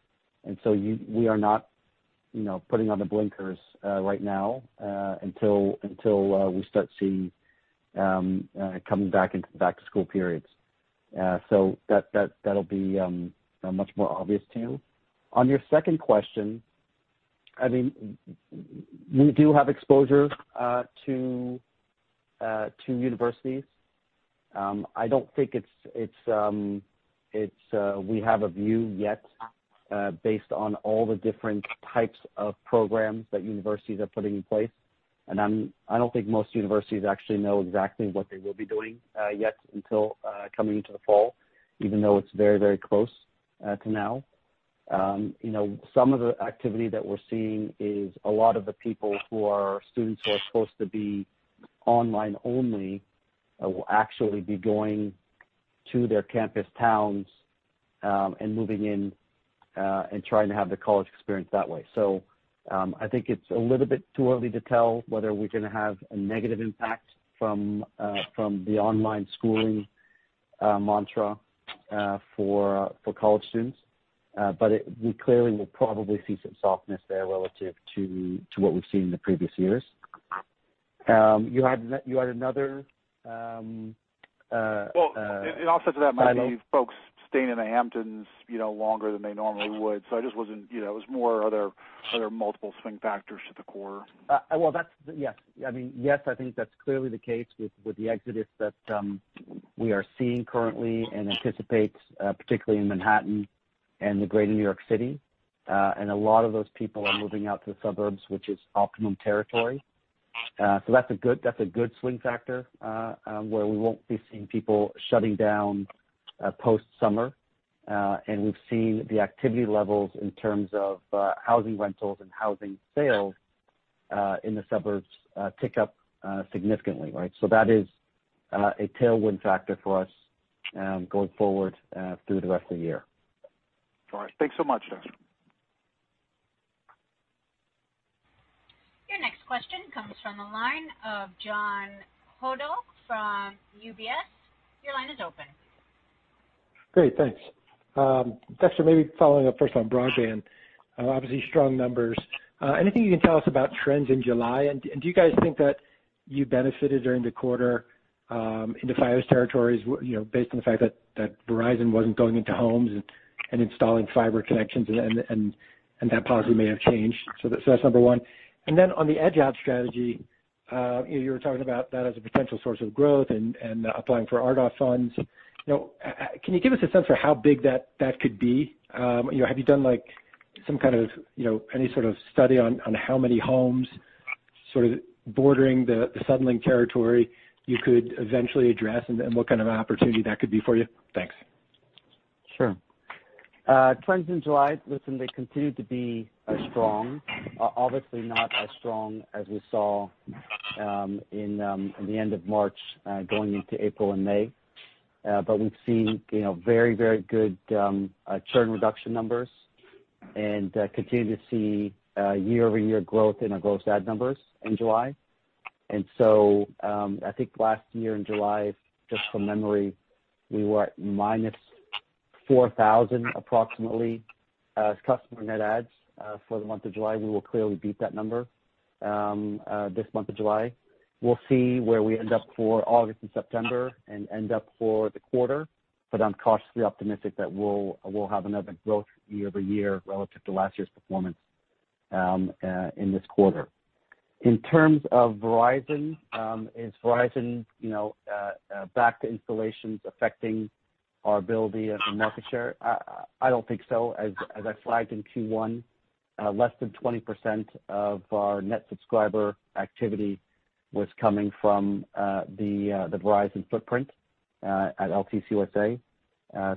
And so we are not, you know, putting on the blinkers right now, until we start seeing coming back into the back-to-school periods. So that'll be much more obvious to you. On your second question, I mean, we do have exposure to universities. I don't think it's we have a view yet based on all the different types of programs that universities are putting in place. I don't think most universities actually know exactly what they will be doing yet until coming into the fall, even though it's very, very close to now. You know, some of the activity that we're seeing is a lot of the people who are students who are supposed to be online only will actually be going to their campus towns and moving in and trying to have the college experience that way. So, I think it's a little bit too early to tell whether we're gonna have a negative impact from the online schooling mantra for college students. But we clearly will probably see some softness there relative to what we've seen in the previous years. You had another. An offset to that, maybe folks staying in The Hamptons, you know, longer than they normally would. I just wasn't, you know. It was more, are there multiple swing factors to the core? Well, that's yes. I mean, yes, I think that's clearly the case with the exodus that we are seeing currently and anticipate, particularly in Manhattan and the greater New York City. And a lot of those people are moving out to the suburbs, which is Optimum territory. So that's a good swing factor, where we won't be seeing people shutting down post-summer. And we've seen the activity levels in terms of housing rentals and housing sales in the suburbs tick up significantly, right? So that is a tailwind factor for us going forward through the rest of the year. All right. Thanks so much, Dexter. Your next question comes from the line of John Hodulik from UBS. Your line is open. Great, thanks. Dexter, maybe following up first on broadband, obviously strong numbers. Anything you can tell us about trends in July? And do you guys think that you benefited during the quarter, in the Fios territories, you know, based on the fact that Verizon wasn't going into homes and installing fiber connections, and that policy may have changed? So that's number one. And then on the edge out strategy, you know, you were talking about that as a potential source of growth and applying for RDOF funds. You know, can you give us a sense for how big that could be? You know, have you done like some kind of, you know, any sort of study on how many homes sort of bordering the Suddenlink territory you could eventually address, and what kind of an opportunity that could be for you? Thanks. Sure. Trends in July, listen, they continued to be strong. Obviously not as strong as we saw in the end of March going into April and May. But we've seen, you know, very, very good churn reduction numbers and continue to see year-over-year growth in our gross add numbers in July. And so I think last year in July, just from memory, we were at minus 4,000 approximately as customer net adds. For the month of July, we will clearly beat that number this month of July. We'll see where we end up for August and September and end up for the quarter, but I'm cautiously optimistic that we'll have another growth year over year relative to last year's performance in this quarter. In terms of Verizon, is Verizon, you know, back to installations affecting our ability of the market share? I don't think so. As I flagged in Q1, less than 20% of our net subscriber activity was coming from the Verizon footprint at Altice USA.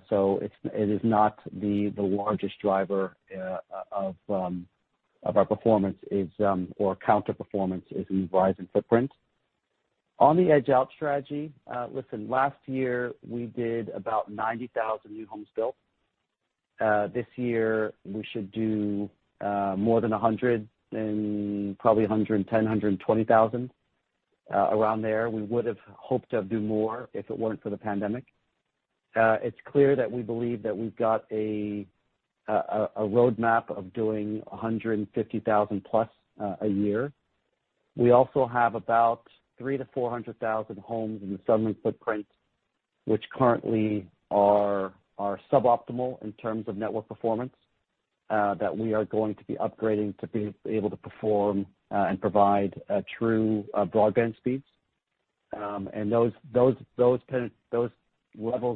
So it is not the largest driver of our performance or counterperformance in Verizon footprint. On the Edge Out strategy, listen, last year, we did about 90,000 new homes built. This year, we should do more than 100 and probably 110-120,000, around there. We would've hoped to do more if it weren't for the pandemic. It's clear that we believe that we've got a roadmap of doing 150,000+ a year. We also have about 300,000-400,000 homes in the Suddenlink footprint, which currently are suboptimal in terms of network performance that we are going to be upgrading to be able to perform and provide true broadband speeds. And those levels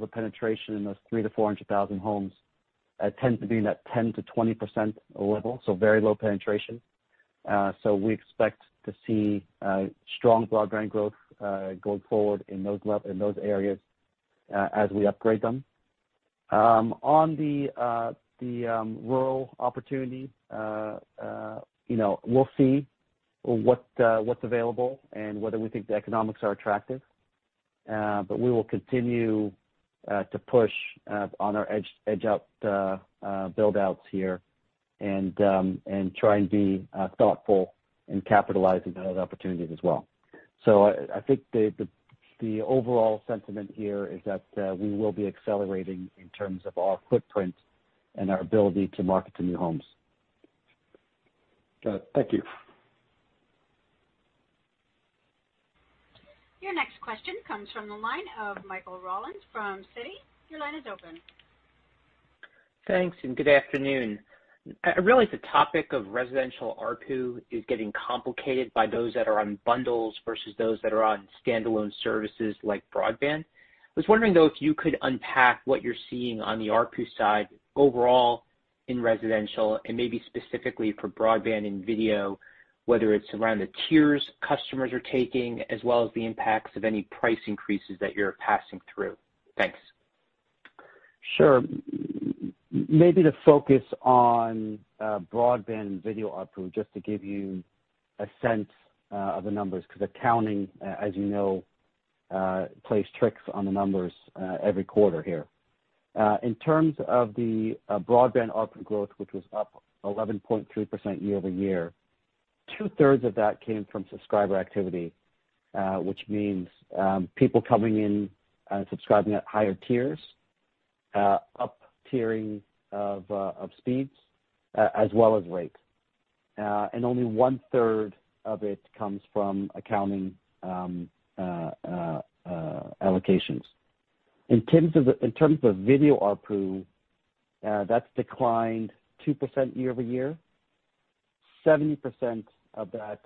of penetration in those 300,000-400,000 homes tend to be in that 10%-20% level, so very low penetration. So we expect to see strong broadband growth going forward in those areas as we upgrade them. On the rural opportunity, you know, we'll see what's available and whether we think the economics are attractive. But we will continue to push on our Edge Out build outs here and try and be thoughtful in capitalizing on those opportunities as well. So I think the overall sentiment here is that we will be accelerating in terms of our footprint and our ability to market to new homes. Thank you. Your next question comes from the line of Michael Rollins from Citi. Your line is open. Thanks, and good afternoon. Really, the topic of residential ARPU is getting complicated by those that are on bundles versus those that are on standalone services like broadband. I was wondering, though, if you could unpack what you're seeing on the ARPU side overall in residential and maybe specifically for broadband and video, whether it's around the tiers customers are taking, as well as the impacts of any price increases that you're passing through. Thanks. Sure. Maybe to focus on broadband and video ARPU, just to give you a sense of the numbers, because accounting, as you know, plays tricks on the numbers every quarter here. In terms of the broadband ARPU growth, which was up 11.3% year over year, two thirds of that came from subscriber activity, which means people coming in subscribing at higher tiers, up-tiering of speeds as well as rates, and only one third of it comes from accounting allocations. In terms of video ARPU, that's declined 2% year over year. 70% of that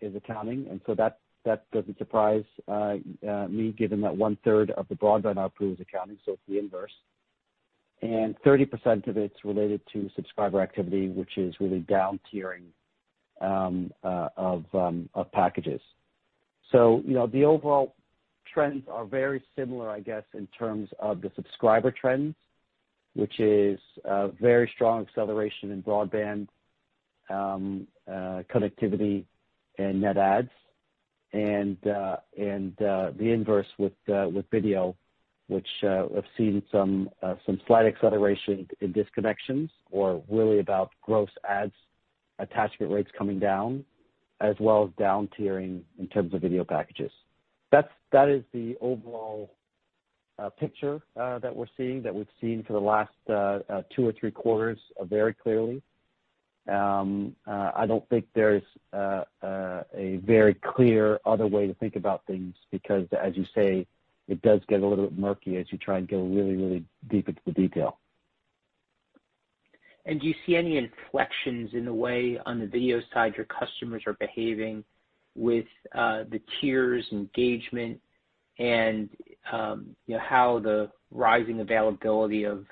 is accounting, and so that doesn't surprise me, given that one third of the broadband ARPU is accounting, so it's the inverse. Thirty percent of it's related to subscriber activity, which is really down-tiering of packages. You know, the overall trends are very similar, I guess, in terms of the subscriber trends, which is very strong acceleration in broadband connectivity and net adds. The inverse with video, which we've seen some slight acceleration in disconnections, or really about gross adds attachment rates coming down, as well as down-tiering in terms of video packages. That is the overall picture that we're seeing, that we've seen for the last two or three quarters very clearly. I don't think there's a very clear other way to think about things, because as you say, it does get a little bit murky as you try and go really, really deep into the detail. Do you see any inflections in the way, on the video side, your customers are behaving with the tiers, engagement, and you know, how the rising availability of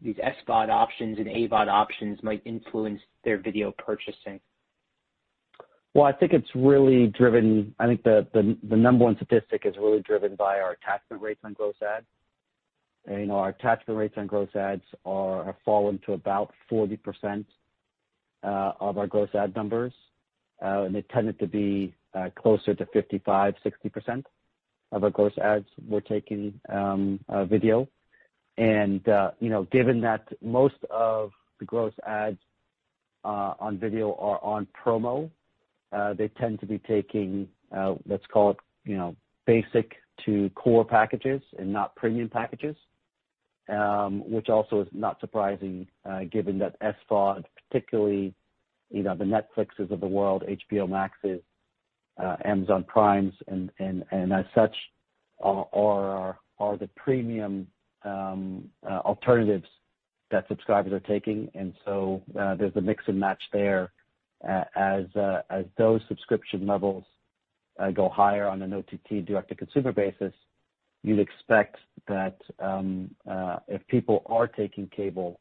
these SVOD options and AVOD options might influence their video purchasing? I think it's really driven. I think the number one statistic is really driven by our attachment rates on gross adds. Our attachment rates on gross adds have fallen to about 40% of our gross add numbers, and they tended to be closer to 55, 60% of our gross adds were taking video. You know, given that most of the gross adds on video are on promo, they tend to be taking, let's call it, you know, basic to core packages and not premium packages, which also is not surprising, given that SVOD, particularly, you know, the Netflixes of the world, HBO Maxes, Amazon Primes, and as such, are the premium alternatives that subscribers are taking. So, there's a mix and match there. As those subscription levels go higher on an OTT direct-to-consumer basis, you'd expect that if people are taking cable,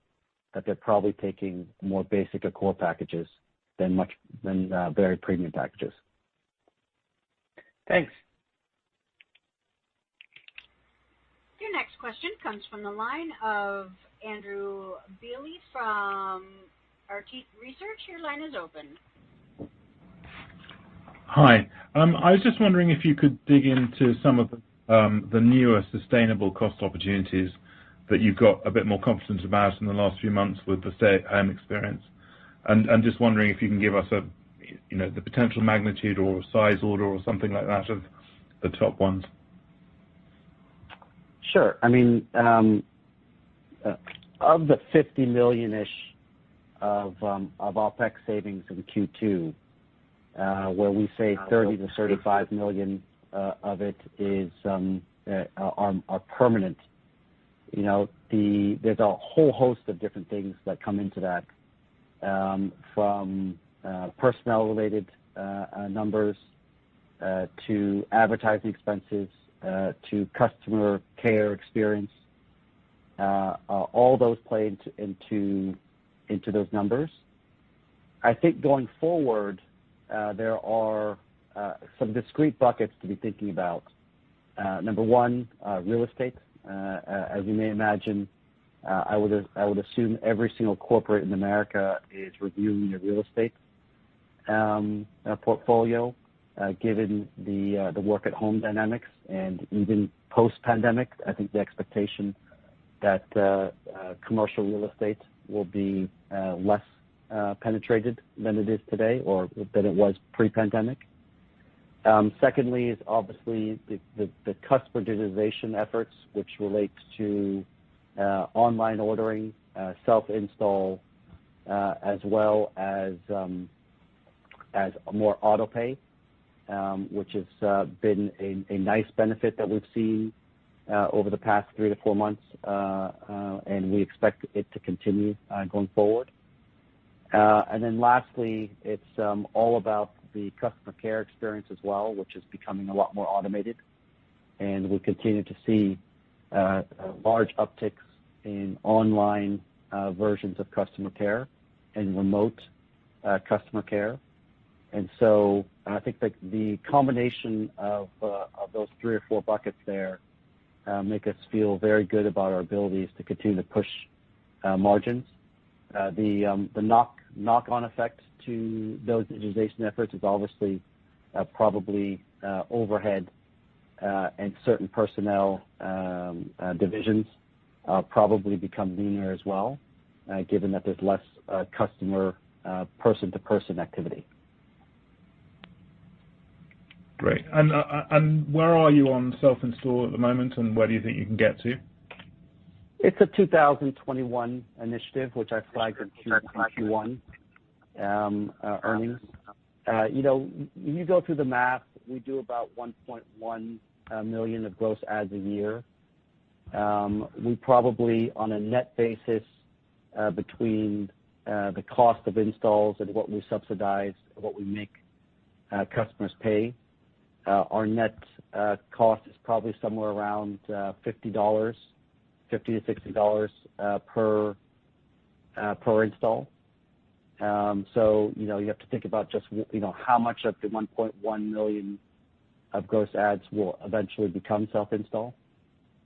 that they're probably taking more basic or core packages than very premium packages. Thanks. Your next question comes from the line of Andrew Beale from Arete Research. Your line is open. Hi. I was just wondering if you could dig into some of the newer sustainable cost opportunities that you've got a bit more confidence about in the last few months with the experience. And just wondering if you can give us a, you know, the potential magnitude or size order or something like that of the top ones. Sure. I mean, of the 50 million-ish of OpEx savings in Q2, where we say 30-35 million of it are permanent, you know, there's a whole host of different things that come into that, from personnel-related numbers to advertising expenses to customer care expenses. All those play into those numbers. I think going forward, there are some discrete buckets to be thinking about. Number one, real estate. As you may imagine, I would assume every single corporate in America is reviewing their real estate portfolio, given the work at home dynamics and even post-pandemic, I think the expectation that commercial real estate will be less penetrated than it is today or than it was pre-pandemic. Secondly is obviously the customer digitization efforts, which relates to online ordering, self-install, as well as more auto pay, which has been a nice benefit that we've seen over the past three to four months, and we expect it to continue going forward. And then lastly, it's all about the customer care experience as well, which is becoming a lot more automated, and we continue to see large upticks in online versions of customer care and remote customer care. And so I think that the combination of those three or four buckets there make us feel very good about our abilities to continue to push margins... The knock-on effect to those digitization efforts is obviously probably overhead, and certain personnel divisions probably become leaner as well, given that there's less customer person-to-person activity. Great. And where are you on self-install at the moment, and where do you think you can get to? It's a 2021 initiative, which I flagged in Q1 earnings. You know, when you go through the math, we do about 1.1 million of gross adds a year. We probably, on a net basis, between the cost of installs and what we subsidize and what we make customers pay, our net cost is probably somewhere around $50, $50-$60 per install. So, you know, you have to think about just, you know, how much of the 1.1 million of gross adds will eventually become self-install.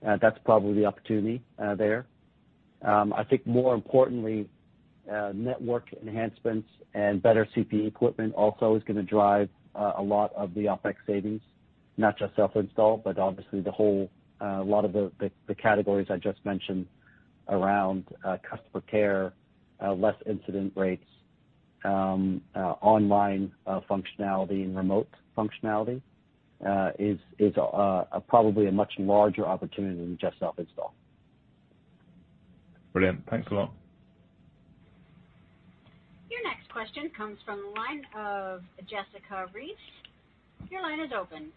That's probably the opportunity there. I think more importantly, network enhancements and better CPE equipment also is gonna drive a lot of the OpEx savings, not just self-install, but obviously the whole, a lot of the categories I just mentioned around customer care, less incident rates, online functionality and remote functionality is probably a much larger opportunity than just self-install. Brilliant. Thanks a lot. Your next question comes from the line of Jessica Reif Ehrlich. Your line is open.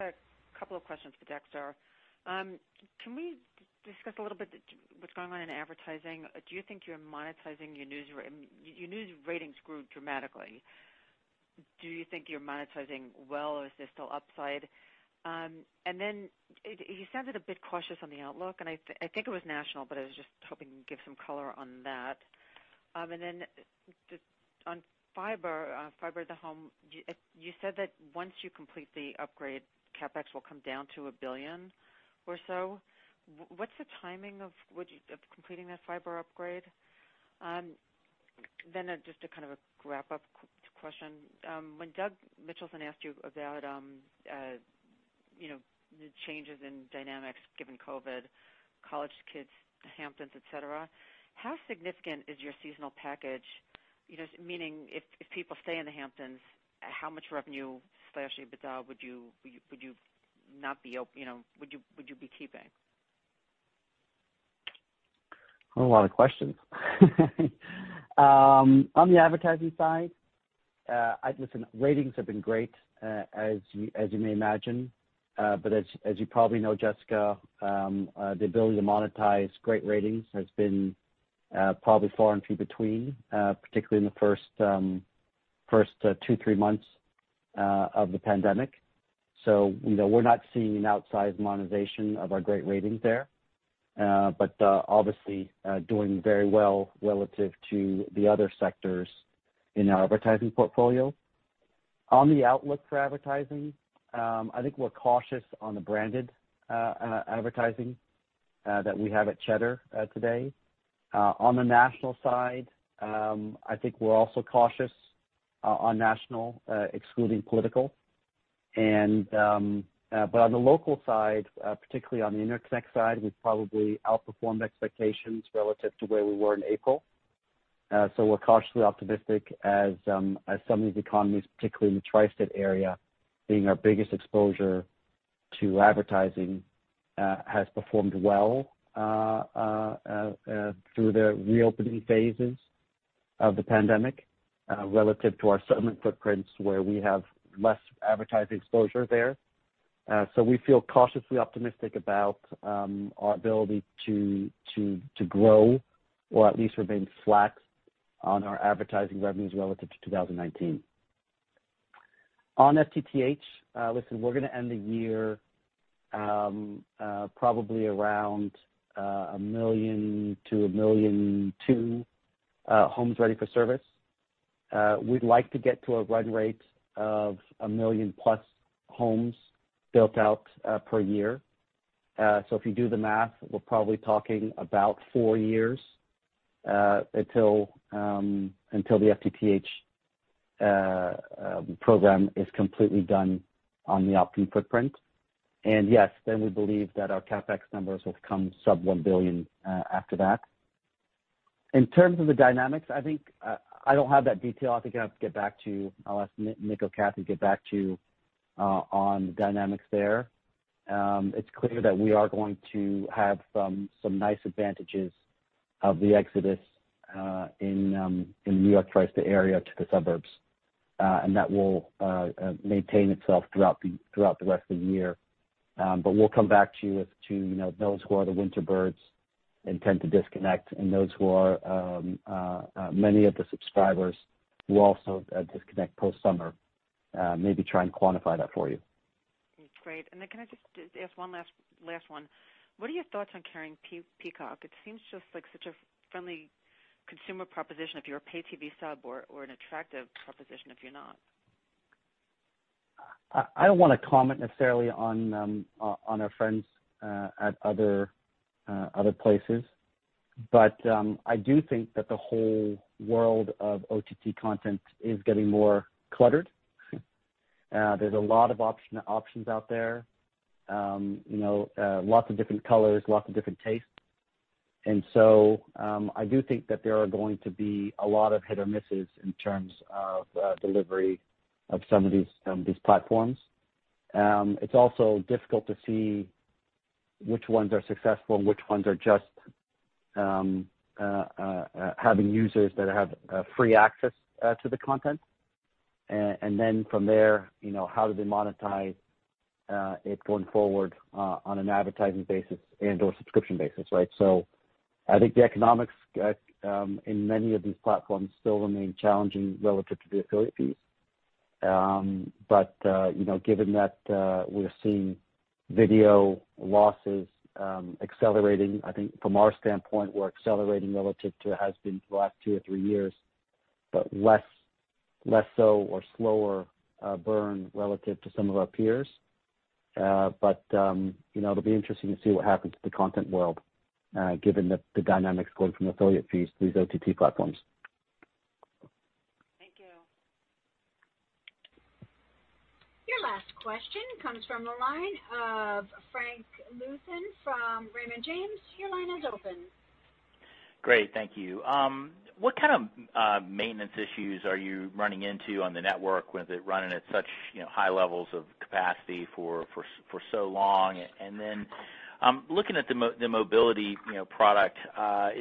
A couple of questions for Dexter. Can we discuss a little bit what's going on in advertising? Do you think you're monetizing your news ratings? Your news ratings grew dramatically. Do you think you're monetizing well, or is there still upside? And then you sounded a bit cautious on the outlook, and I think it was national, but I was just hoping you can give some color on that. And then just on fiber, fiber to the home, you said that once you complete the upgrade, CapEx will come down to a billion or so. What's the timing of completing that fiber upgrade? Then just a kind of a wrap-up question. When Doug Mitchelson asked you about, you know, the changes in dynamics given COVID, college kids, the Hamptons, et cetera, how significant is your seasonal package? You know, meaning if people stay in the Hamptons, how much revenue/EBITDA would you not be, you know, would you be keeping? A lot of questions. On the advertising side, I, listen, ratings have been great, as you may imagine, but as you probably know, Jessica, the ability to monetize great ratings has been probably far and few between, particularly in the first two, three months of the pandemic. So, you know, we're not seeing an outsized monetization of our great ratings there, but obviously doing very well relative to the other sectors in our advertising portfolio. On the outlook for advertising, I think we're cautious on the branded advertising that we have at Cheddar today. On the national side, I think we're also cautious on national excluding political. But on the local side, particularly on the New York Interconnect side, we've probably outperformed expectations relative to where we were in April. So we're cautiously optimistic as some of these economies, particularly in the Tri-State Area, being our biggest exposure to advertising, has performed well through the reopening phases of the pandemic relative to our smaller footprints, where we have less advertising exposure there. So we feel cautiously optimistic about our ability to grow or at least remain flat on our advertising revenues relative to 2019. On FTTH, listen, we're gonna end the year probably around a million to a million two homes ready for service. We'd like to get to a run rate of a million-plus homes built out per year. So if you do the math, we're probably talking about four years until the FTTH program is completely done on the Optimum footprint. And yes, then we believe that our CapEx numbers will come sub $1 billion after that. In terms of the dynamics, I think I don't have that detail. I think I have to get back to you. I'll ask Nick or Cathy to get back to you on the dynamics there. It's clear that we are going to have some nice advantages of the exodus in the New York Tri-State Area to the suburbs and that will maintain itself throughout the rest of the year. But we'll come back to you as to, you know, those who are the winter birds and tend to disconnect, and those who are many of the subscribers who also disconnect post-summer. Maybe try and quantify that for you. Great. Then can I just ask one last, last one? What are your thoughts on carrying Peacock? It seems just like such a friendly consumer proposition if you're a pay TV sub or an attractive proposition if you're not. ... I don't wanna comment necessarily on our friends at other places, but I do think that the whole world of OTT content is getting more cluttered. There's a lot of options out there. You know, lots of different colors, lots of different tastes. And so I do think that there are going to be a lot of hit or misses in terms of delivery of some of these platforms. It's also difficult to see which ones are successful and which ones are just having users that have free access to the content. And then from there, you know, how do they monetize it going forward on an advertising basis and/or subscription basis, right? So I think the economics in many of these platforms still remain challenging relative to the affiliate fees. But you know, given that, we're seeing video losses accelerating. I think from our standpoint, we're accelerating relative to it has been for the last two or three years, but less so or slower burn relative to some of our peers. But you know, it'll be interesting to see what happens to the content world given the dynamics going from affiliate fees to these OTT platforms. Thank you. Your last question comes from the line of Frank Louthan from Raymond James. Your line is open. Great, thank you. What kind of maintenance issues are you running into on the network, with it running at such, you know, high levels of capacity for so long? And then, looking at the mobility, you know, product,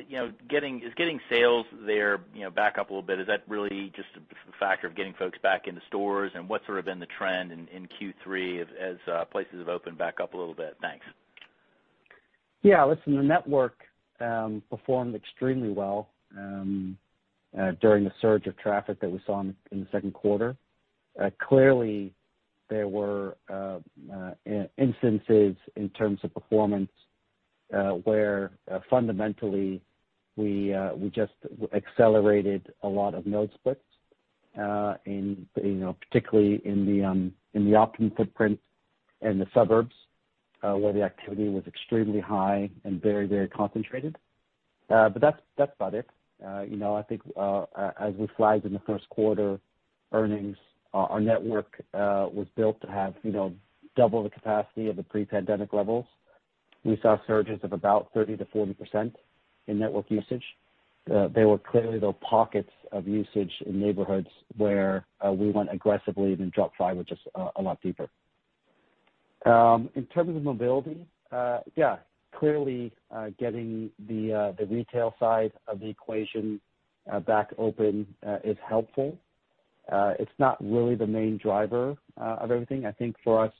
you know, getting sales there back up a little bit, is that really just a factor of getting folks back into stores? And what's sort of been the trend in Q3 as places have opened back up a little bit? Thanks. Yeah, listen, the network performed extremely well during the surge of traffic that we saw in the second quarter. Clearly, there were instances in terms of performance where fundamentally we just accelerated a lot of node splits, you know, particularly in the Optimum footprint and the suburbs where the activity was extremely high and very, very concentrated. But that's, that's about it. You know, I think as we flagged in the first quarter earnings, our network was built to have, you know, double the capacity of the pre-pandemic levels. We saw surges of about 30%-40% in network usage. There were clearly though pockets of usage in neighborhoods where we went aggressively and then dropped five, which is a lot deeper. In terms of mobility, yeah, clearly, getting the retail side of the equation back open is helpful. It's not really the main driver of everything. I think for us,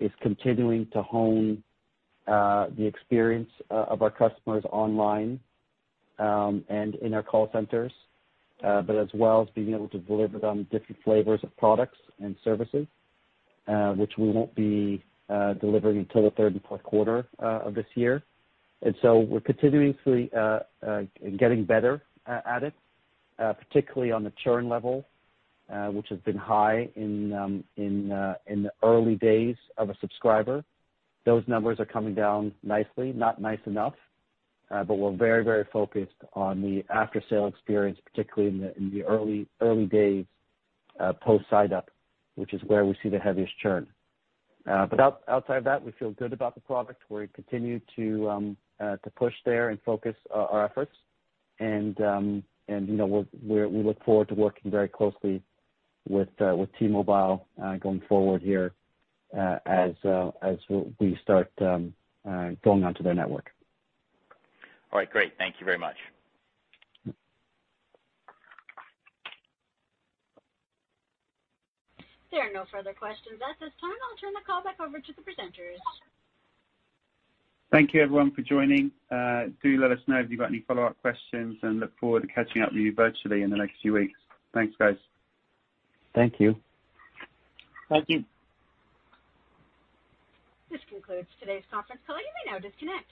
it's continuing to hone the experience of our customers online and in our call centers, but as well as being able to deliver them different flavors of products and services, which we won't be delivering until the third and fourth quarter of this year. And so we're continuously getting better at it, particularly on the churn level, which has been high in the early days of a subscriber. Those numbers are coming down nicely, not nice enough, but we're very, very focused on the after-sale experience, particularly in the early days post sign-up, which is where we see the heaviest churn. But outside of that, we feel good about the product. We continue to push there and focus our efforts. And, you know, we look forward to working very closely with T-Mobile going forward here, as we start going onto their network. All right, great. Thank you very much. There are no further questions at this time. I'll turn the call back over to the presenters. Thank you everyone for joining. Do let us know if you've got any follow-up questions, and look forward to catching up with you virtually in the next few weeks. Thanks, guys. Thank you. Thank you. This concludes today's conference call. You may now disconnect.